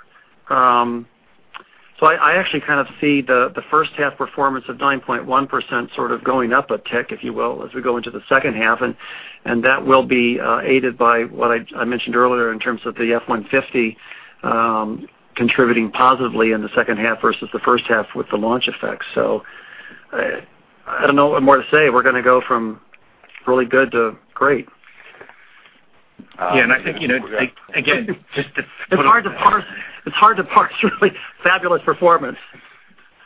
I actually kind of see the first half performance of 9.1% sort of going up a tick, if you will, as we go into the second half, and that will be aided by what I mentioned earlier in terms of the F-150 contributing positively in the second half versus the first half with the launch effects. I don't know what more to say. We're going to go from really good to great. Yeah. I think, again. It's hard to parse really fabulous performance.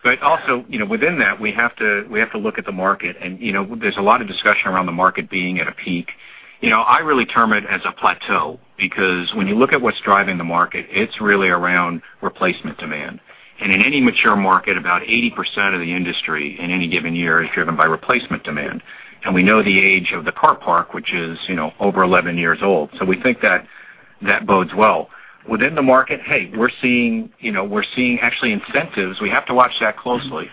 Within that, we have to look at the market. There's a lot of discussion around the market being at a peak. I really term it as a plateau because when you look at what's driving the market, it's really around replacement demand. In any mature market, about 80% of the industry in any given year is driven by replacement demand. We know the age of the car park, which is over 11 years old. We think that bodes well. Within the market, hey, we're seeing actually incentives. We have to watch that closely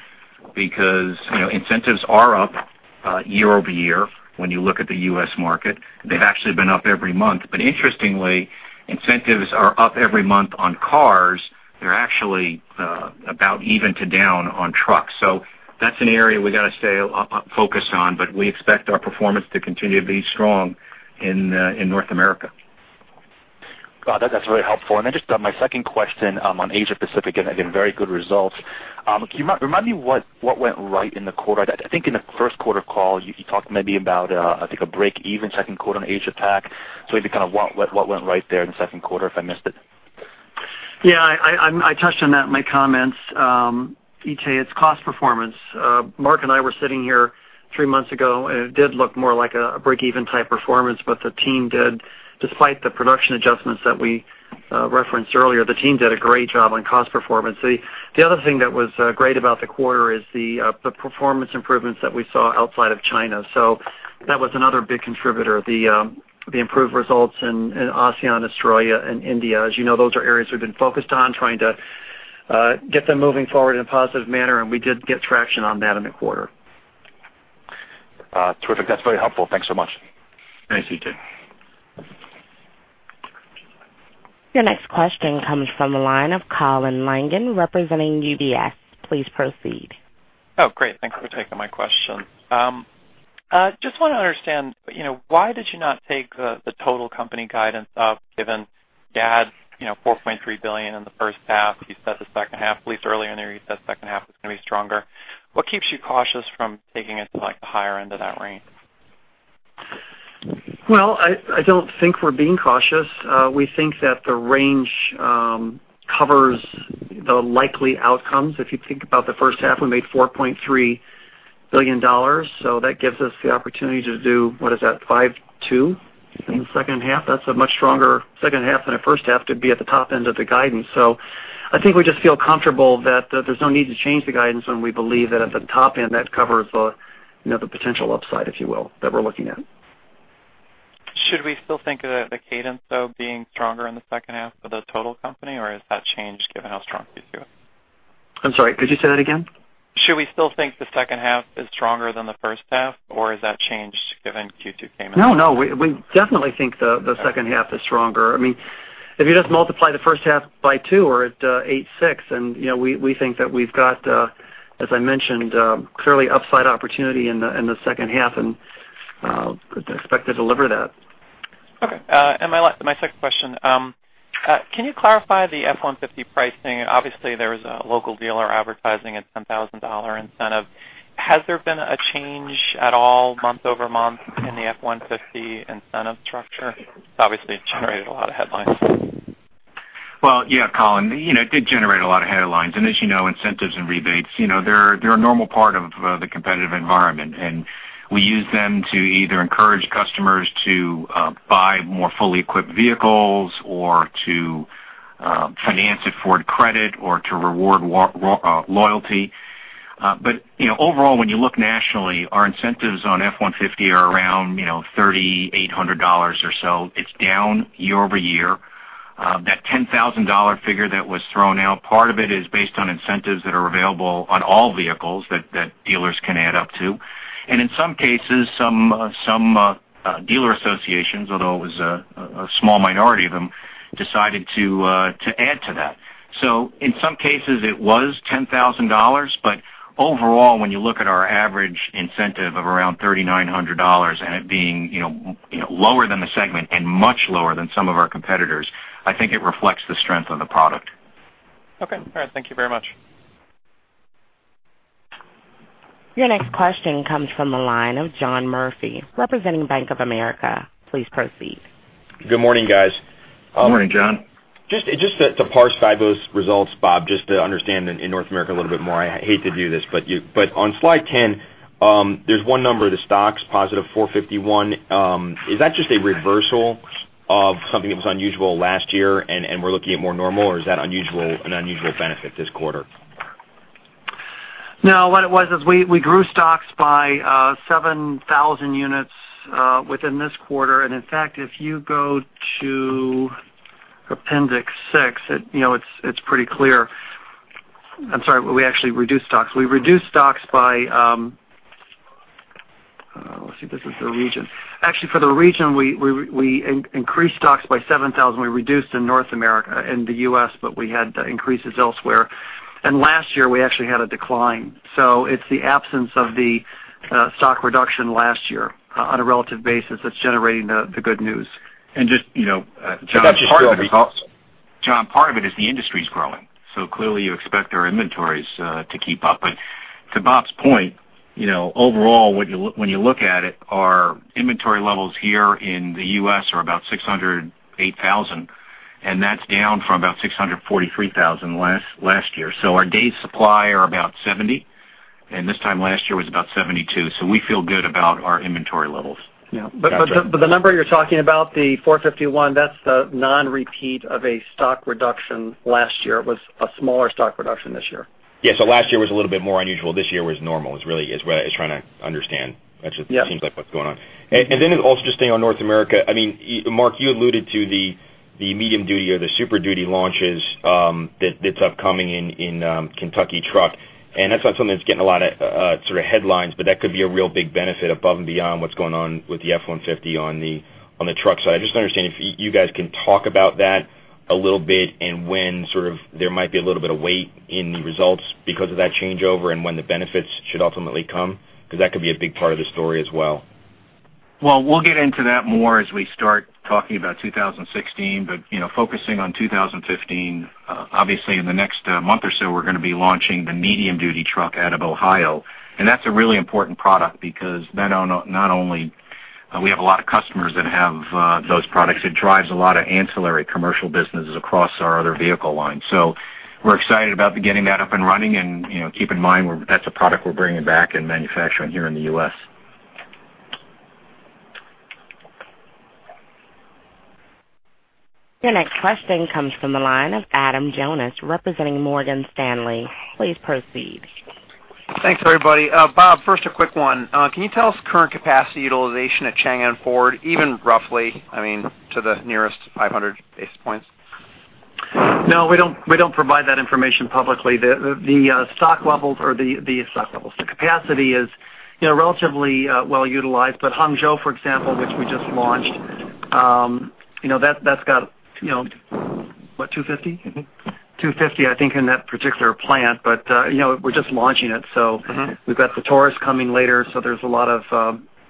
because incentives are up year-over-year when you look at the U.S. market. They've actually been up every month. Interestingly, incentives are up every month on cars. They're actually about even to down on trucks. That's an area we got to stay focused on, but we expect our performance to continue to be strong in North America. Got it. That's very helpful. Then just my second question on Asia Pacific, again, very good results. Can you remind me what went right in the quarter? I think in the first quarter call, you talked maybe about, I think, a break-even second quarter on Asia Pac. Maybe what went right there in the second quarter, if I missed it? I touched on that in my comments. Itay, it's cost performance. Mark and I were sitting here three months ago, and it did look more like a break-even type performance, but despite the production adjustments that we referenced earlier, the team did a great job on cost performance. The other thing that was great about the quarter is the performance improvements that we saw outside of China. That was another big contributor, the improved results in ASEAN, Australia, and India. As you know, those are areas we've been focused on trying to get them moving forward in a positive manner, and we did get traction on that in the quarter. Terrific. That's very helpful. Thanks so much. Thanks, Itay. Your next question comes from the line of Colin Langan representing UBS. Please proceed. Oh, great. Thanks for taking my question. Just want to understand, why did you not take the total company guidance up given you had $4.3 billion in the first half? You said the second half, at least earlier in there, you said second half was going to be stronger. What keeps you cautious from taking it to the higher end of that range? Well, I don't think we're being cautious. We think that the range covers the likely outcomes. If you think about the first half, we made $4.3 billion. That gives us the opportunity to do, what is that, $5.2 billion in the second half? That's a much stronger second half than a first half to be at the top end of the guidance. I think we just feel comfortable that there's no need to change the guidance, and we believe that at the top end, that covers the potential upside, if you will, that we're looking at. Should we still think of the cadence, though, being stronger in the second half for the total company? Or has that changed given how strong Q2 is? I'm sorry, could you say that again? Should we still think the second half is stronger than the first half? Or has that changed given Q2 came out? No, we definitely think the second half is stronger. If you just multiply the first half by two, we're at $8.6, and we think that we've got, as I mentioned, clearly upside opportunity in the second half, and expect to deliver that. My second question, can you clarify the F-150 pricing? Obviously, there was a local dealer advertising a $10,000 incentive. Has there been a change at all month-over-month in the F-150 incentive structure? It's obviously generated a lot of headlines. Well, yeah, Colin. It did generate a lot of headlines, as you know, incentives and rebates, they're a normal part of the competitive environment, and we use them to either encourage customers to buy more fully equipped vehicles or to finance it Ford Credit or to reward loyalty. Overall, when you look nationally, our incentives on F-150 are around $3,800 or so. It's down year-over-year. That $10,000 figure that was thrown out, part of it is based on incentives that are available on all vehicles that dealers can add up to. In some cases, some dealer associations, although it was a small minority of them, decided to add to that. In some cases, it was $10,000, overall, when you look at our average incentive of around $3,900 and it being lower than the segment and much lower than some of our competitors, I think it reflects the strength of the product. Okay. All right. Thank you very much. Your next question comes from the line of John Murphy representing Bank of America. Please proceed. Good morning, guys. Good morning, John. Just to parse five of those results, Bob, just to understand in North America a little bit more. I hate to do this, but on slide 10, there's one number, the stocks, positive $451. Is that just a reversal of something that was unusual last year and we're looking at more normal or is that an unusual benefit this quarter? No, what it was is we grew stocks by 7,000 units within this quarter. In fact, if you go to appendix 6, it's pretty clear. I'm sorry, we actually reduced stocks. We reduced stocks by Let's see, this is the region. Actually, for the region, we increased stocks by 7,000. We reduced in North America, in the U.S., but we had increases elsewhere. Last year, we actually had a decline. It's the absence of the stock reduction last year on a relative basis that's generating the good news. Just, John- That's just geography. John, part of it is the industry's growing. Clearly you expect our inventories to keep up. To Bob's point, overall, when you look at it, our inventory levels here in the U.S. are about 608,000, and that's down from about 643,000 last year. Our days supply are about 70, and this time last year was about 72. We feel good about our inventory levels. Yeah. The number you're talking about, the 451, that's the non-repeat of a stock reduction last year. It was a smaller stock reduction this year. Yeah. Last year was a little bit more unusual. This year was normal is what I was trying to understand. Yes. That's what seems like what's going on. Then also just staying on North America. Mark, you alluded to the medium duty or the Super Duty launches that's upcoming in Kentucky Truck, and that's not something that's getting a lot of headlines, but that could be a real big benefit above and beyond what's going on with the F-150 on the truck side. I just want to understand if you guys can talk about that a little bit and when there might be a little bit of weight in the results because of that changeover and when the benefits should ultimately come, because that could be a big part of the story as well. We'll get into that more as we start talking about 2016. Focusing on 2015, obviously in the next month or so, we're going to be launching the medium duty truck out of Ohio, and that's a really important product because not only we have a lot of customers that have those products, it drives a lot of ancillary commercial businesses across our other vehicle lines. We're excited about getting that up and running, and keep in mind, that's a product we're bringing back and manufacturing here in the U.S. Your next question comes from the line of Adam Jonas, representing Morgan Stanley. Please proceed. Thanks, everybody. Bob, first, a quick one. Can you tell us current capacity utilization at Changan Ford, even roughly, to the nearest 500 basis points? We don't provide that information publicly. The stock levels or the capacity is relatively well-utilized. Hangzhou, for example, which we just launched, that's got what, 250? 250, I think, in that particular plant. We're just launching it. We've got the Taurus coming later, so there's a lot of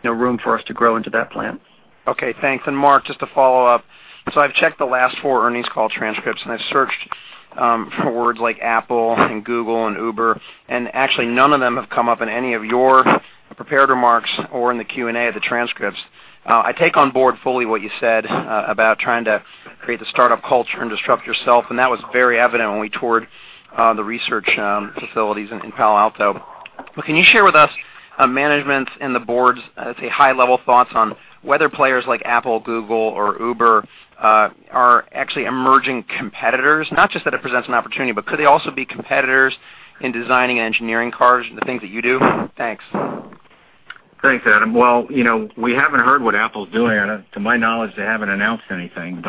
room for us to grow into that plant. Okay, thanks. Mark, just to follow up. I've checked the last four earnings call transcripts, and I've searched for words like Apple and Google and Uber, and actually none of them have come up in any of your prepared remarks or in the Q&A of the transcripts. I take on board fully what you said about trying to create the startup culture and disrupt yourself, and that was very evident when we toured the research facilities in Palo Alto. Can you share with us management's and the board's, let's say, high-level thoughts on whether players like Apple, Google, or Uber are actually emerging competitors? Not just that it presents an opportunity, but could they also be competitors in designing and engineering cars and the things that you do? Thanks. Thanks, Adam. Well, we haven't heard what Apple's doing. To my knowledge, they haven't announced anything.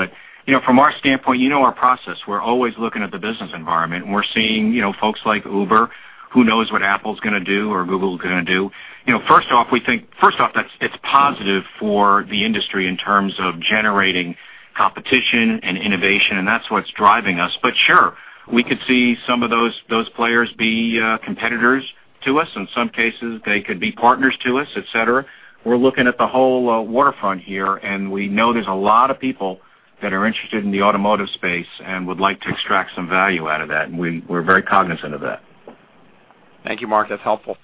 From our standpoint, you know our process. We're always looking at the business environment, and we're seeing folks like Uber. Who knows what Apple's going to do or Google's going to do? First off, it's positive for the industry in terms of generating competition and innovation, and that's what's driving us. Sure, we could see some of those players be competitors to us. In some cases, they could be partners to us, et cetera. We're looking at the whole waterfront here, and we know there's a lot of people that are interested in the automotive space and would like to extract some value out of that, and we're very cognizant of that. Thank you, Mark. That's helpful.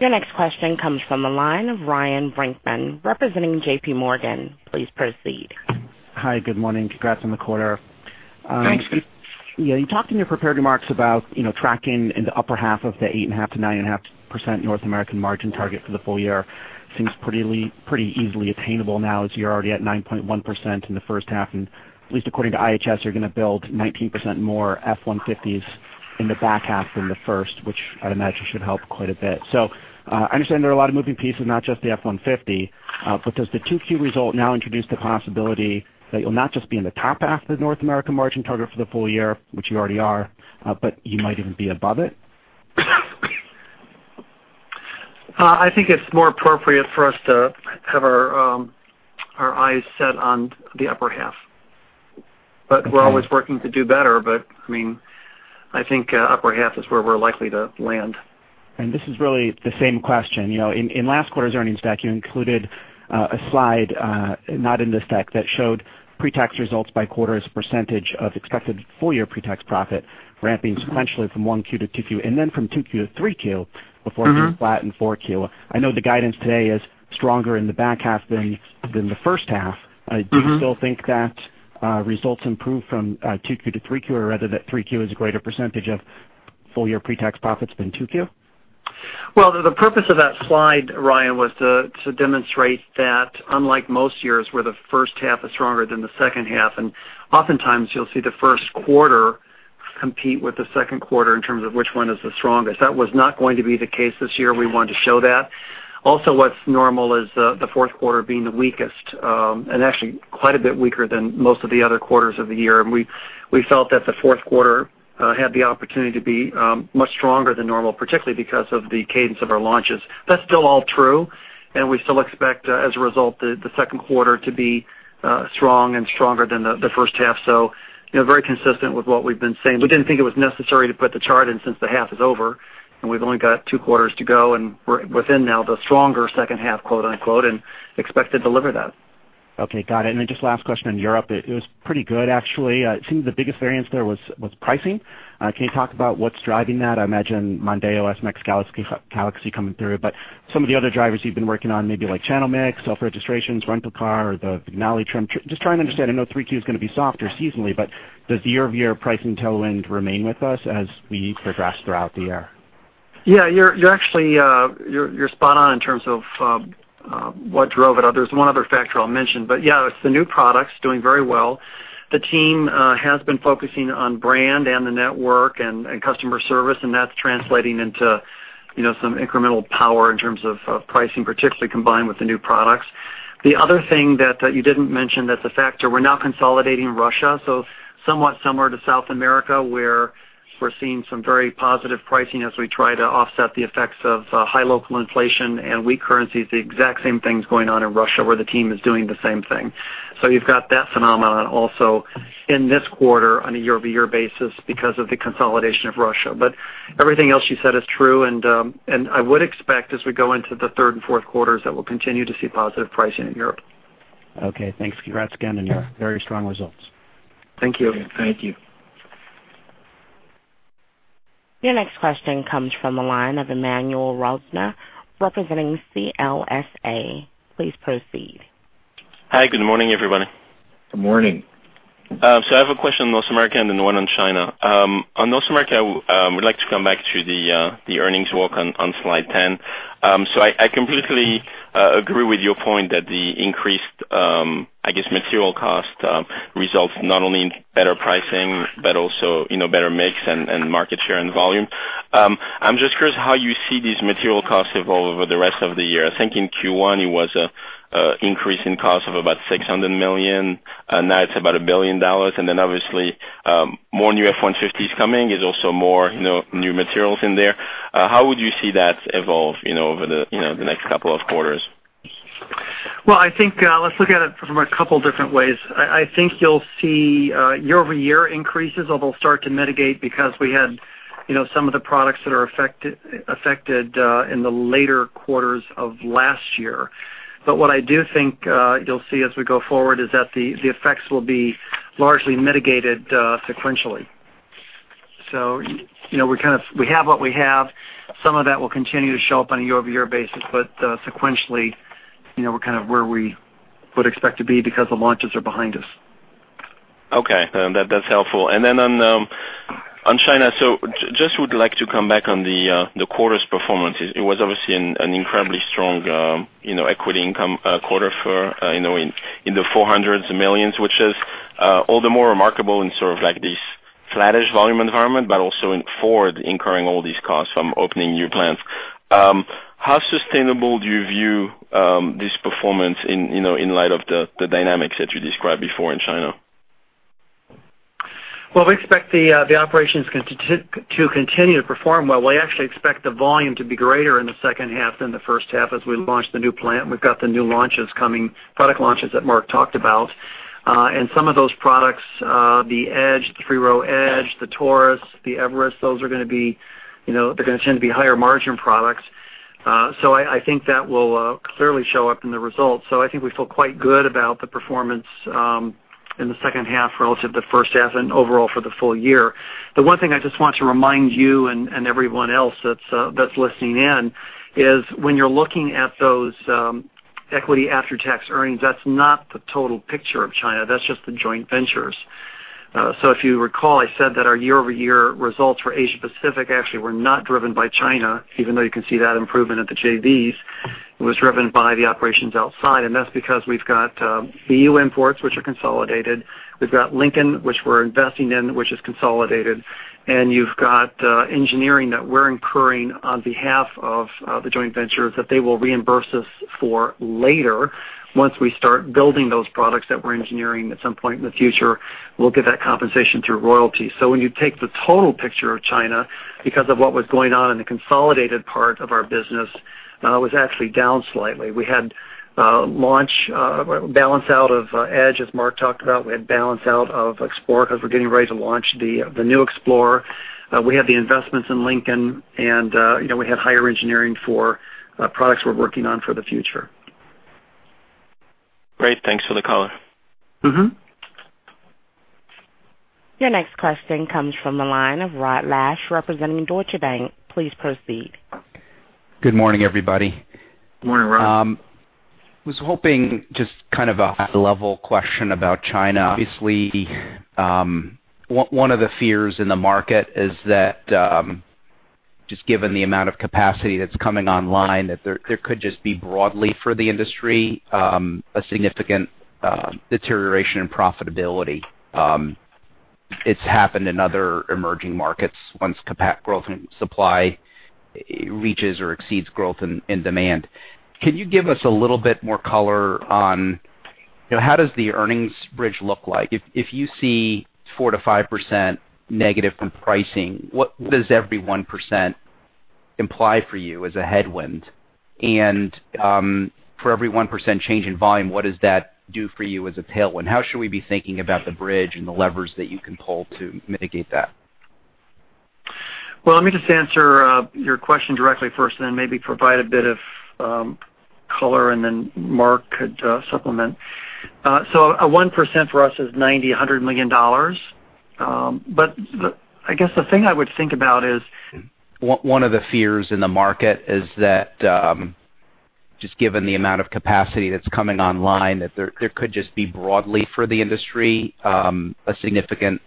Your next question comes from the line of Ryan Brinkman representing JPMorgan. Please proceed. Hi, good morning. Congrats on the quarter. Thanks. You talked in your prepared remarks about tracking in the upper half of the 8.5%-9.5% North American margin target for the full year. Seems pretty easily attainable now as you're already at 9.1% in the first half, and at least according to IHS, you're going to build 19% more F-150s in the back half than the first, which I'd imagine should help quite a bit. I understand there are a lot of moving pieces, not just the F-150, but does the 2Q result now introduce the possibility that you'll not just be in the top half of the North American margin target for the full year, which you already are, but you might even be above it? I think it's more appropriate for us to have our eyes set on the upper half. We're always working to do better, I think upper half is where we're likely to land. This is really the same question. In last quarter's earnings deck, you included a slide, not in this deck, that showed pre-tax results by quarter as a percentage of expected full-year pre-tax profit ramping sequentially from Q1 to Q2, and then from Q2 to Q3 before it was flat in Q4. I know the guidance today is stronger in the back half than the first half. Do you still think that results improve from Q2 to Q3, or rather that Q3 is a greater percentage of full-year pre-tax profits than Q2? Well, the purpose of that slide, Ryan, was to demonstrate that unlike most years where the first half is stronger than the second half, and oftentimes you'll see the first quarter compete with the second quarter in terms of which one is the strongest. That was not going to be the case this year. We wanted to show that. What's normal is the fourth quarter being the weakest, and actually quite a bit weaker than most of the other quarters of the year. We felt that the fourth quarter had the opportunity to be much stronger than normal, particularly because of the cadence of our launches. That's still all true, and we still expect, as a result, the second quarter to be strong and stronger than the first half. Very consistent with what we've been saying. We didn't think it was necessary to put the chart in since the half is over and we've only got two quarters to go, and we're within now the stronger "second half" and expect to deliver that. Okay, got it. Just last question on Europe. It was pretty good, actually. It seems the biggest variance there was pricing. Can you talk about what's driving that? I imagine Mondeo, S-MAX, Galaxy coming through, but some of the other drivers you've been working on, maybe like channel mix, self-registrations, rental car or the Vignale trim. Just trying to understand. I know Q3 is going to be softer seasonally, does year-over-year pricing tailwind remain with us as we progress throughout the year? Yeah, you're spot on in terms of what drove it. There's one other factor I'll mention, but yeah, it's the new products doing very well. The team has been focusing on brand and the network and customer service, and that's translating into some incremental power in terms of pricing, particularly combined with the new products. The other thing that you didn't mention that's a factor, we're now consolidating Russia. Somewhat similar to South America, where we're seeing some very positive pricing as we try to offset the effects of high local inflation and weak currencies. The exact same thing's going on in Russia where the team is doing the same thing. You've got that phenomenon also in this quarter on a year-over-year basis because of the consolidation of Russia. Everything else you said is true, and I would expect as we go into the third and fourth quarters, that we'll continue to see positive pricing in Europe. Okay, thanks. Congrats again on your very strong results. Thank you. Your next question comes from the line of Emmanuel Rosner, representing CLSA. Please proceed. Hi. Good morning, everybody. Good morning. I have a question on North America and then one on China. On North America, I would like to come back to the earnings walk on slide 10. I completely agree with your point that the increased material cost results not only in better pricing but also better mix and market share and volume. I'm just curious how you see these material costs evolve over the rest of the year. I think in Q1 it was an increase in cost of about $600 million, and now it's about a billion dollars. Obviously, more new F-150 is coming. There's also more new materials in there. How would you see that evolve over the next couple of quarters? Well, let's look at it from a couple different ways. I think you'll see year-over-year increases, although start to mitigate because we had some of the products that are affected in the later quarters of last year. What I do think you'll see as we go forward is that the effects will be largely mitigated sequentially. We have what we have. Some of that will continue to show up on a year-over-year basis, but sequentially, we're kind of where we would expect to be because the launches are behind us. Okay. That's helpful. On China, just would like to come back on the quarter's performance. It was obviously an incredibly strong equity income quarter in the $400 million, which is all the more remarkable in sort of this flattish volume environment, but also in Ford incurring all these costs from opening new plants. How sustainable do you view this performance in light of the dynamics that you described before in China? Well, we expect the operations to continue to perform well. We actually expect the volume to be greater in the second half than the first half as we launch the new plant. We've got the new launches coming, product launches that Mark talked about. Some of those products, the Edge, the three-row Edge, the Taurus, the Everest, those are going to tend to be higher margin products. I think that will clearly show up in the results. I think we feel quite good about the performance in the second half relative to first half and overall for the full year. The one thing I just want to remind you and everyone else that's listening in is when you're looking at those equity after-tax earnings, that's not the total picture of China. That's just the joint ventures. If you recall, I said that our year-over-year results for Asia Pacific actually were not driven by China, even though you can see that improvement at the JVs. It was driven by the operations outside. That's because we've got BU imports, which are consolidated. We've got Lincoln, which we're investing in, which is consolidated, and you've got engineering that we're incurring on behalf of the joint ventures that they will reimburse us for later. Once we start building those products that we're engineering, at some point in the future, we'll get that compensation through royalties. When you take the total picture of China, because of what was going on in the consolidated part of our business, was actually down slightly. We had balance out of Edge, as Mark talked about. We had balance out of Explorer because we're getting ready to launch the new Explorer. We have the investments in Lincoln, and we had higher engineering for products we're working on for the future. Great. Thanks for the call. Your next question comes from the line of Rod Lache representing Deutsche Bank. Please proceed. Good morning, everybody. Morning, Rod. I was hoping, just kind of a high-level question about China. Obviously, one of the fears in the market is that just given the amount of capacity that's coming online, that there could just be broadly for the industry, a significant deterioration in profitability. It's happened in other emerging markets once capacity growth and supply reaches or exceeds growth in demand. Can you give us a little bit more color on how does the earnings bridge look like? If you see 4%-5% negative from pricing, what does every 1% imply for you as a headwind? And for every 1% change in volume, what does that do for you as a tailwind? How should we be thinking about the bridge and the levers that you can pull to mitigate that? Let me just answer your question directly first and then maybe provide a bit of color, and then Mark could supplement. A 1% for us is $90 million, $100 million. I guess the thing I would think about is. One of the fears in the market is that just given the amount of capacity that's coming online, that there could just be broadly for the industry, a significant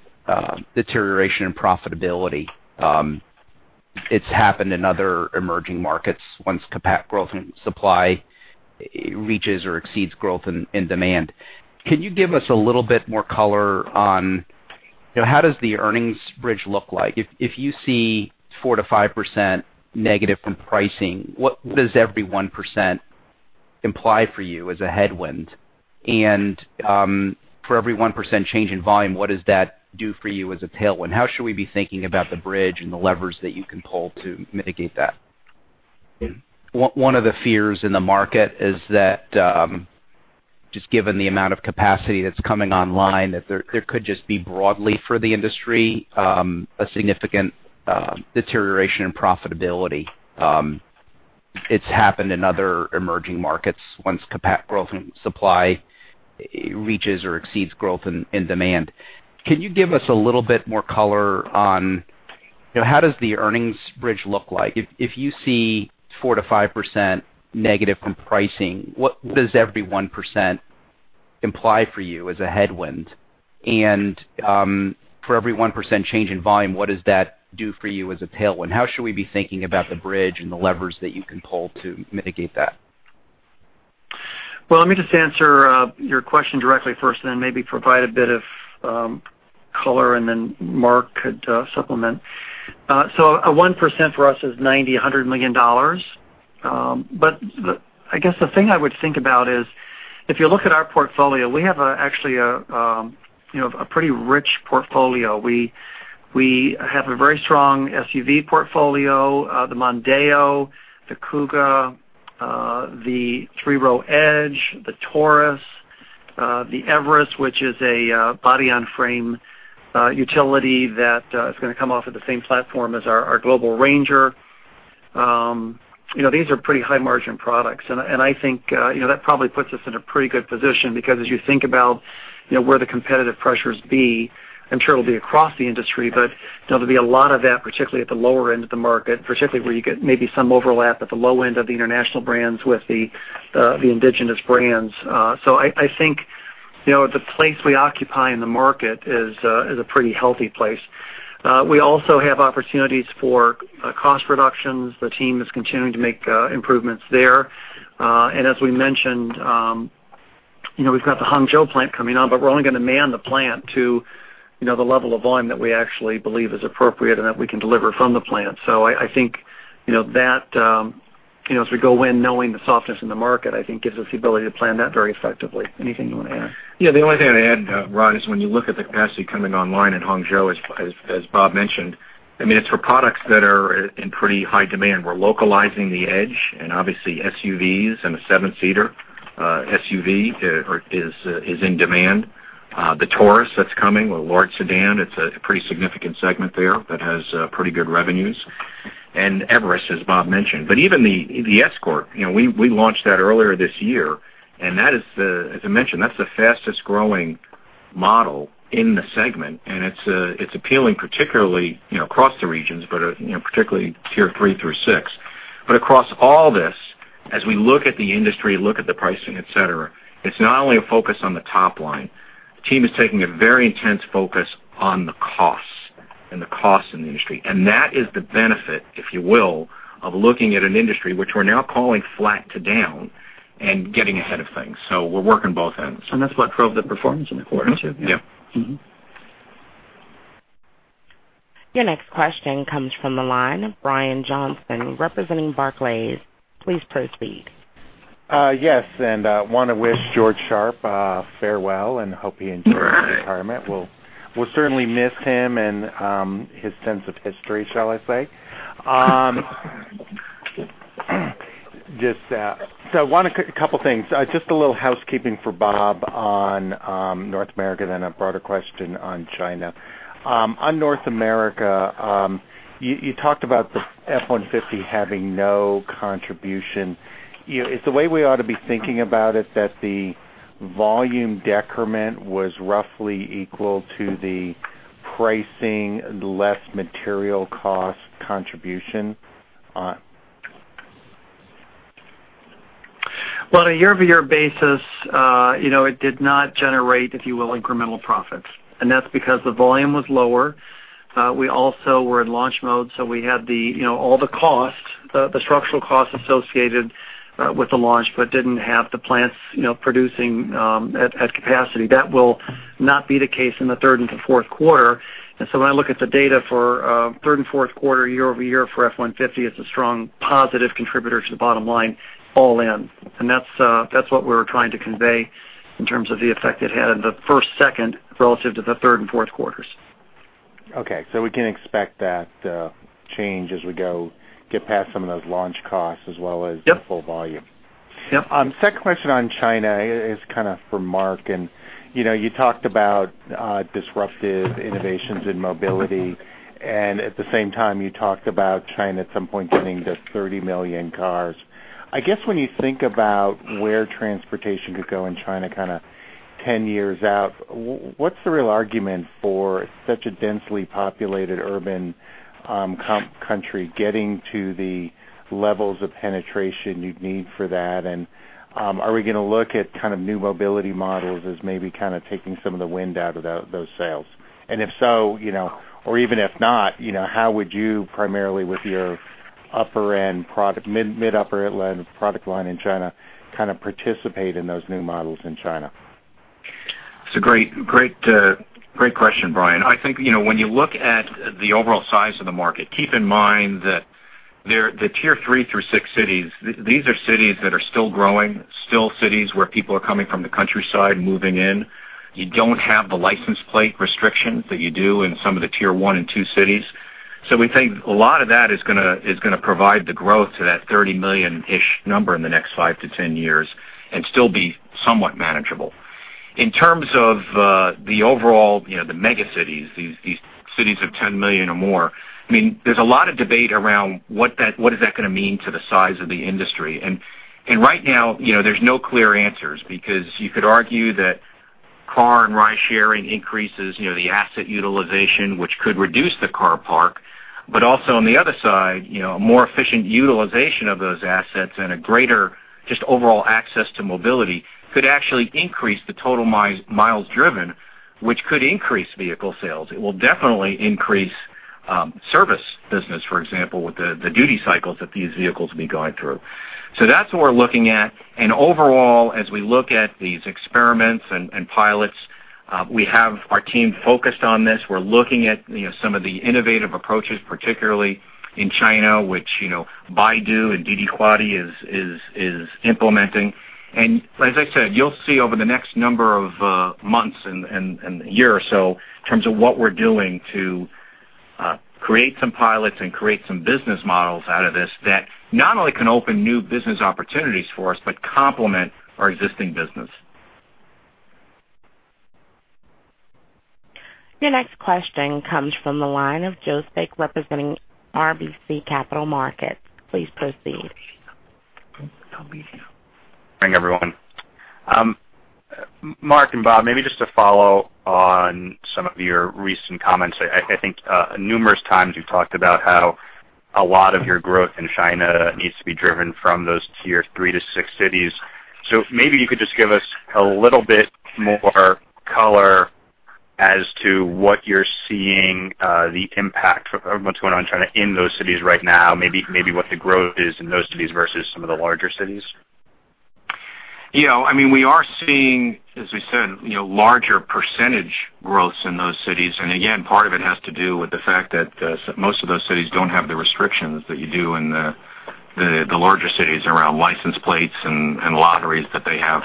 deterioration in profitability. It's happened in other emerging markets once capacity growth and supply reaches or exceeds growth in demand. Can you give us a little bit more color on how does the earnings bridge look like? If you see 4%-5% negative from pricing, what does every 1% imply for you as a headwind? And for every 1% change in volume, what does that do for you as a tailwind? How should we be thinking about the bridge and the levers that you can pull to mitigate that? One of the fears in the market is that just given the amount of capacity that's coming online, that there could just be broadly for the industry, a significant deterioration in profitability. It's happened in other emerging markets once capacity growth and supply reaches or exceeds growth in demand. Can you give us a little bit more color on how does the earnings bridge look like? If you see 4%-5% negative from pricing, what does every 1% imply for you as a headwind? And for every 1% change in volume, what does that do for you as a tailwind? How should we be thinking about the bridge and the levers that you can pull to mitigate that? Let me just answer your question directly first and then maybe provide a bit of color, and then Mark could supplement. A 1% for us is $90 million-$100 million. I guess the thing I would think about is if you look at our portfolio, we have actually a pretty rich portfolio. We have a very strong SUV portfolio, the Mondeo, the Kuga, the three-row Edge, the Taurus, the Everest, which is a body-on-frame utility that is going to come off of the same platform as our global Ranger. These are pretty high-margin products, and I think that probably puts us in a pretty good position because as you think about where the competitive pressures be, I'm sure it'll be across the industry, but there'll be a lot of that, particularly at the lower end of the market, particularly where you get maybe some overlap at the low end of the international brands with the indigenous brands. I think the place we occupy in the market is a pretty healthy place. We also have opportunities for cost reductions. The team is continuing to make improvements there. As we mentioned, we've got the Hangzhou plant coming on, but we're only going to man the plant to the level of volume that we actually believe is appropriate and that we can deliver from the plant. I think as we go in knowing the softness in the market, I think gives us the ability to plan that very effectively. Anything you want to add? The only thing I'd add, Rod, is when you look at the capacity coming online in Hangzhou, as Bob mentioned, it's for products that are in pretty high demand. We're localizing the Edge and obviously SUVs and a seven-seater SUV is in demand. The Taurus that's coming with large sedan, it's a pretty significant segment there that has pretty good revenues. Everest, as Bob mentioned. Even the Escort, we launched that earlier this year, and as I mentioned, that's the fastest-growing model in the segment, and it's appealing particularly across the regions, but particularly tier 3 through 6. Across all this, as we look at the industry, look at the pricing, et cetera, it's not only a focus on the top line. The team is taking a very intense focus on the costs and the costs in the industry. That is the benefit, if you will, of looking at an industry which we're now calling flat to down and getting ahead of things. We're working both ends. That's what drove the performance in the quarter, too. Yeah. Your next question comes from the line of Brian Johnson representing Barclays. Please proceed. Yes, want to wish George Sharp farewell and hope he enjoys his retirement. We'll certainly miss him and his sense of history, shall I say. A couple things. Just a little housekeeping for Bob on North America, then a broader question on China. On North America, you talked about the F-150 having no contribution. Is the way we ought to be thinking about it that the volume decrement was roughly equal to the pricing, less material cost contribution? On a year-over-year basis, it did not generate, if you will, incremental profits. That's because the volume was lower. We also were in launch mode, so we had all the structural costs associated with the launch but didn't have the plants producing at capacity. That will not be the case in the third and fourth quarter. When I look at the data for third and fourth quarter year-over-year for F-150, it's a strong positive contributor to the bottom line all in. That's what we were trying to convey in terms of the effect it had in the first, second, relative to the third and fourth quarters. Okay. We can expect that change as we get past some of those launch costs as well as- Yep the full volume. Yep. Second question on China is for Mark. You talked about disruptive innovations in mobility. At the same time you talked about China at some point getting to 30 million cars. I guess when you think about where transportation could go in China 10 years out, what's the real argument for such a densely populated urban country getting to the levels of penetration you'd need for that? Are we going to look at new mobility models as maybe taking some of the wind out of those sails? If so, or even if not, how would you primarily, with your mid-upper product line in China, participate in those new models in China? It's a great question, Brian. I think when you look at the overall size of the market, keep in mind that the Tier 3 through 6 cities, these are cities that are still growing, still cities where people are coming from the countryside and moving in. You don't have the license plate restrictions that you do in some of the Tier 1 and 2 cities. We think a lot of that is going to provide the growth to that 30 million-ish number in the next 5-10 years, and still be somewhat manageable. In terms of the overall mega cities, these cities of 10 million or more, there's a lot of debate around what is that going to mean to the size of the industry. Right now, there's no clear answers because you could argue that car and ride sharing increases the asset utilization, which could reduce the car park. Also on the other side, a more efficient utilization of those assets and a greater just overall access to mobility could actually increase the total miles driven, which could increase vehicle sales. It will definitely increase service business, for example, with the duty cycles that these vehicles will be going through. That's what we're looking at. Overall, as we look at these experiments and pilots, we have our team focused on this. We're looking at some of the innovative approaches, particularly in China, which Baidu and Didi Kuaidi is implementing. As I said, you'll see over the next number of months and year or so in terms of what we're doing to create some pilots and create some business models out of this that not only can open new business opportunities for us but complement our existing business. Your next question comes from the line of Joe Spak representing RBC Capital Markets. Please proceed. Morning, everyone. Mark and Bob, maybe just to follow on some of your recent comments. I think numerous times you've talked about how a lot of your growth in China needs to be driven from those Tier 3 to 6 cities. Maybe you could just give us a little bit more color as to what you're seeing the impact of what's going on in China in those cities right now. Maybe what the growth is in those cities versus some of the larger cities. We are seeing, as we said, larger percentage growths in those cities. Again, part of it has to do with the fact that most of those cities don't have the restrictions that you do in the larger cities around license plates and lotteries that they have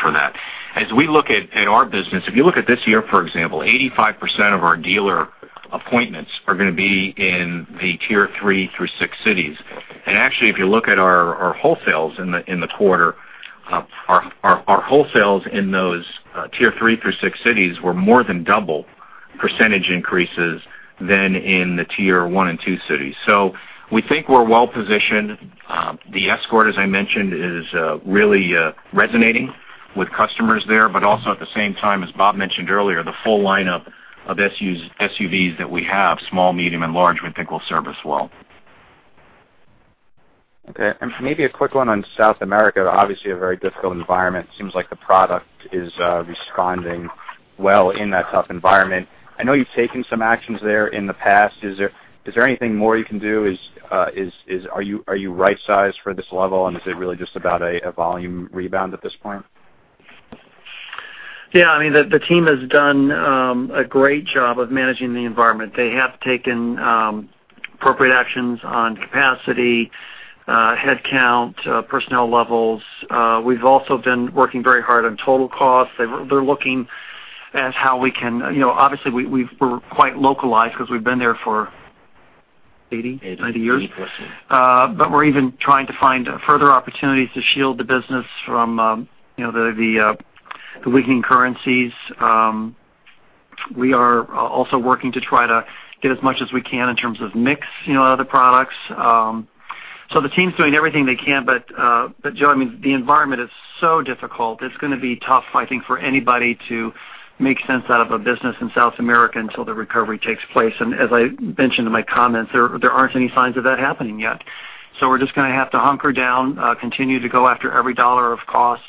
for that. As we look at our business, if you look at this year, for example, 85% of our dealer appointments are going to be in the Tier 3 through 6 cities. Actually, if you look at our wholesales in the quarter, our wholesales in those Tier 3 through 6 cities were more than double percentage increases than in the Tier 1 and 2 cities. We think we're well-positioned. The Escort, as I mentioned, is really resonating with customers there. Also at the same time, as Bob mentioned earlier, the full lineup of SUVs that we have, small, medium and large, we think will serve us well. Okay. Maybe a quick one on South America. Obviously a very difficult environment. Seems like the product is responding well in that tough environment. I know you've taken some actions there in the past. Is there anything more you can do? Are you right-sized for this level and is it really just about a volume rebound at this point? The team has done a great job of managing the environment. They have taken appropriate actions on capacity, headcount, personnel levels. We've also been working very hard on total cost. They're looking at how we're quite localized because we've been there for 80, 90 years. 80 plus years. We're even trying to find further opportunities to shield the business from the weakening currencies. We are also working to try to get as much as we can in terms of mix of the products. The team's doing everything they can, Joe Spak, the environment is so difficult. It's going to be tough, I think, for anybody to make sense out of a business in South America until the recovery takes place. As I mentioned in my comments there aren't any signs of that happening yet. We're just going to have to hunker down, continue to go after every dollar of cost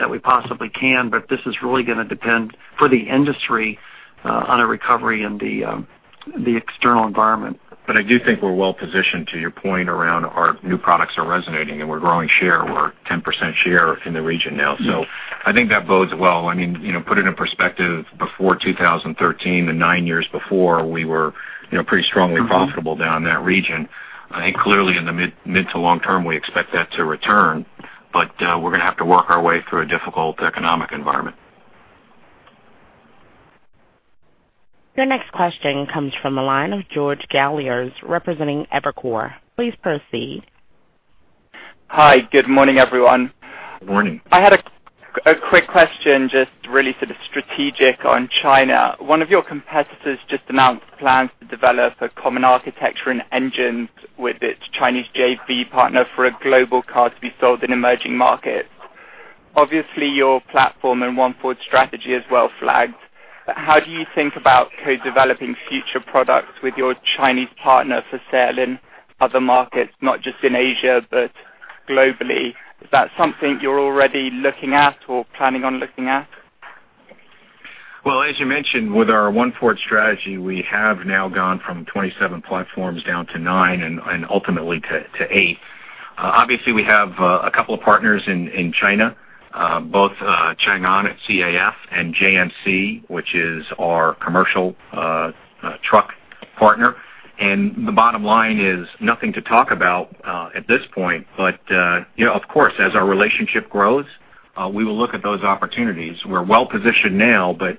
that we possibly can. This is really going to depend, for the industry, on a recovery in the external environment. I do think we're well-positioned to your point around our new products are resonating and we're growing share. We're at 10% share in the region now. I think that bodes well. To put it in perspective, before 2013, the nine years before we were pretty strongly profitable down in that region. I think clearly in the mid to long term, we expect that to return. We're going to have to work our way through a difficult economic environment. Your next question comes from the line of George Galliers representing Evercore. Please proceed. Hi. Good morning, everyone. Morning. I had a quick question, just really sort of strategic on China. One of your competitors just announced plans to develop a common architecture and engines with its Chinese JV partner for a global car to be sold in emerging markets. Obviously, your platform and One Ford strategy is well-flagged. How do you think about co-developing future products with your Chinese partner for sale in other markets, not just in Asia but globally? Is that something you're already looking at or planning on looking at? Well, as you mentioned, with our One Ford strategy, we have now gone from 27 platforms down to nine and ultimately to eight. Obviously, we have a couple of partners in China, both Changan at CAF and JMC, which is our commercial truck partner. The bottom line is nothing to talk about at this point. Of course, as our relationship grows, we will look at those opportunities. We're well-positioned now, but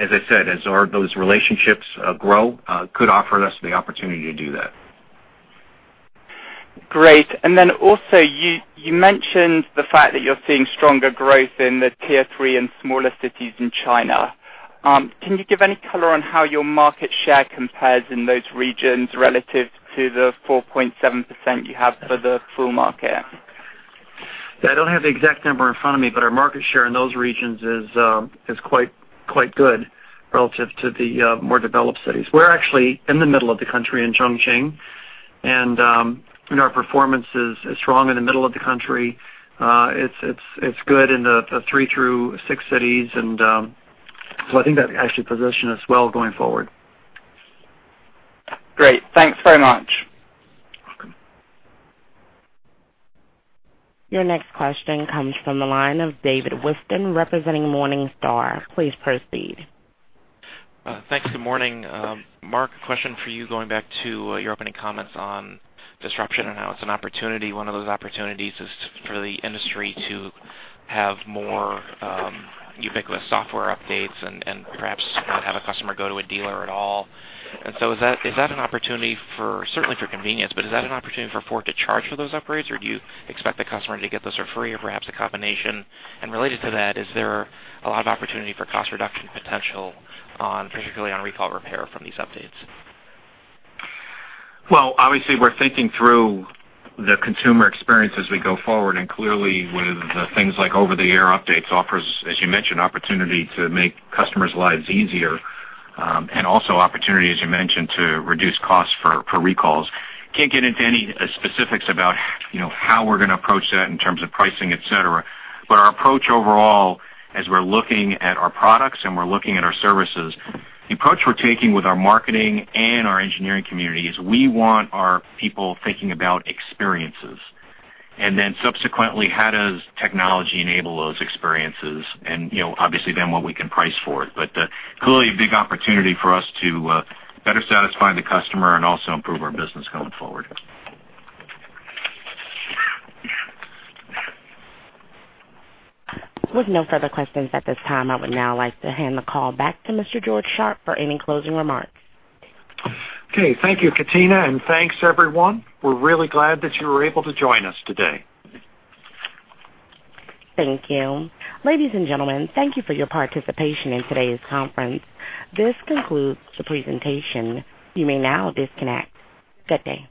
as I said, as those relationships grow, could offer us the opportunity to do that. Also, you mentioned the fact that you're seeing stronger growth in the tier 3 and smaller cities in China. Can you give any color on how your market share compares in those regions relative to the 4.7% you have for the full market? I don't have the exact number in front of me, but our market share in those regions is quite good relative to the more developed cities. We're actually in the middle of the country in Chongqing, and our performance is strong in the middle of the country. It's good in the three through six cities, and so I think that actually positions us well going forward. Great. Thanks very much. Welcome. Your next question comes from the line of David Whiston representing Morningstar. Please proceed. Thanks. Good morning. Mark, a question for you going back to your opening comments on disruption and how it's an opportunity. One of those opportunities is for the industry to have more ubiquitous software updates and perhaps not have a customer go to a dealer at all. Is that an opportunity certainly for convenience, but is that an opportunity for Ford to charge for those upgrades, or do you expect the customer to get those for free or perhaps a combination? Related to that, is there a lot of opportunity for cost reduction potential, particularly on recall repair from these updates? Well, obviously, we're thinking through the consumer experience as we go forward, clearly with things like over-the-air updates offers, as you mentioned, opportunity to make customers' lives easier. Also opportunity, as you mentioned, to reduce costs for recalls. Can't get into any specifics about how we're going to approach that in terms of pricing, et cetera. Our approach overall, as we're looking at our products and we're looking at our services, the approach we're taking with our marketing and our engineering community is we want our people thinking about experiences. Subsequently, how does technology enable those experiences and obviously then what we can price for it. Clearly a big opportunity for us to better satisfy the customer and also improve our business going forward. With no further questions at this time, I would now like to hand the call back to Mr. George Sharp for any closing remarks. Okay. Thank you, Katina, thanks everyone. We're really glad that you were able to join us today. Thank you. Ladies and gentlemen, thank you for your participation in today's conference. This concludes the presentation. You may now disconnect. Good day.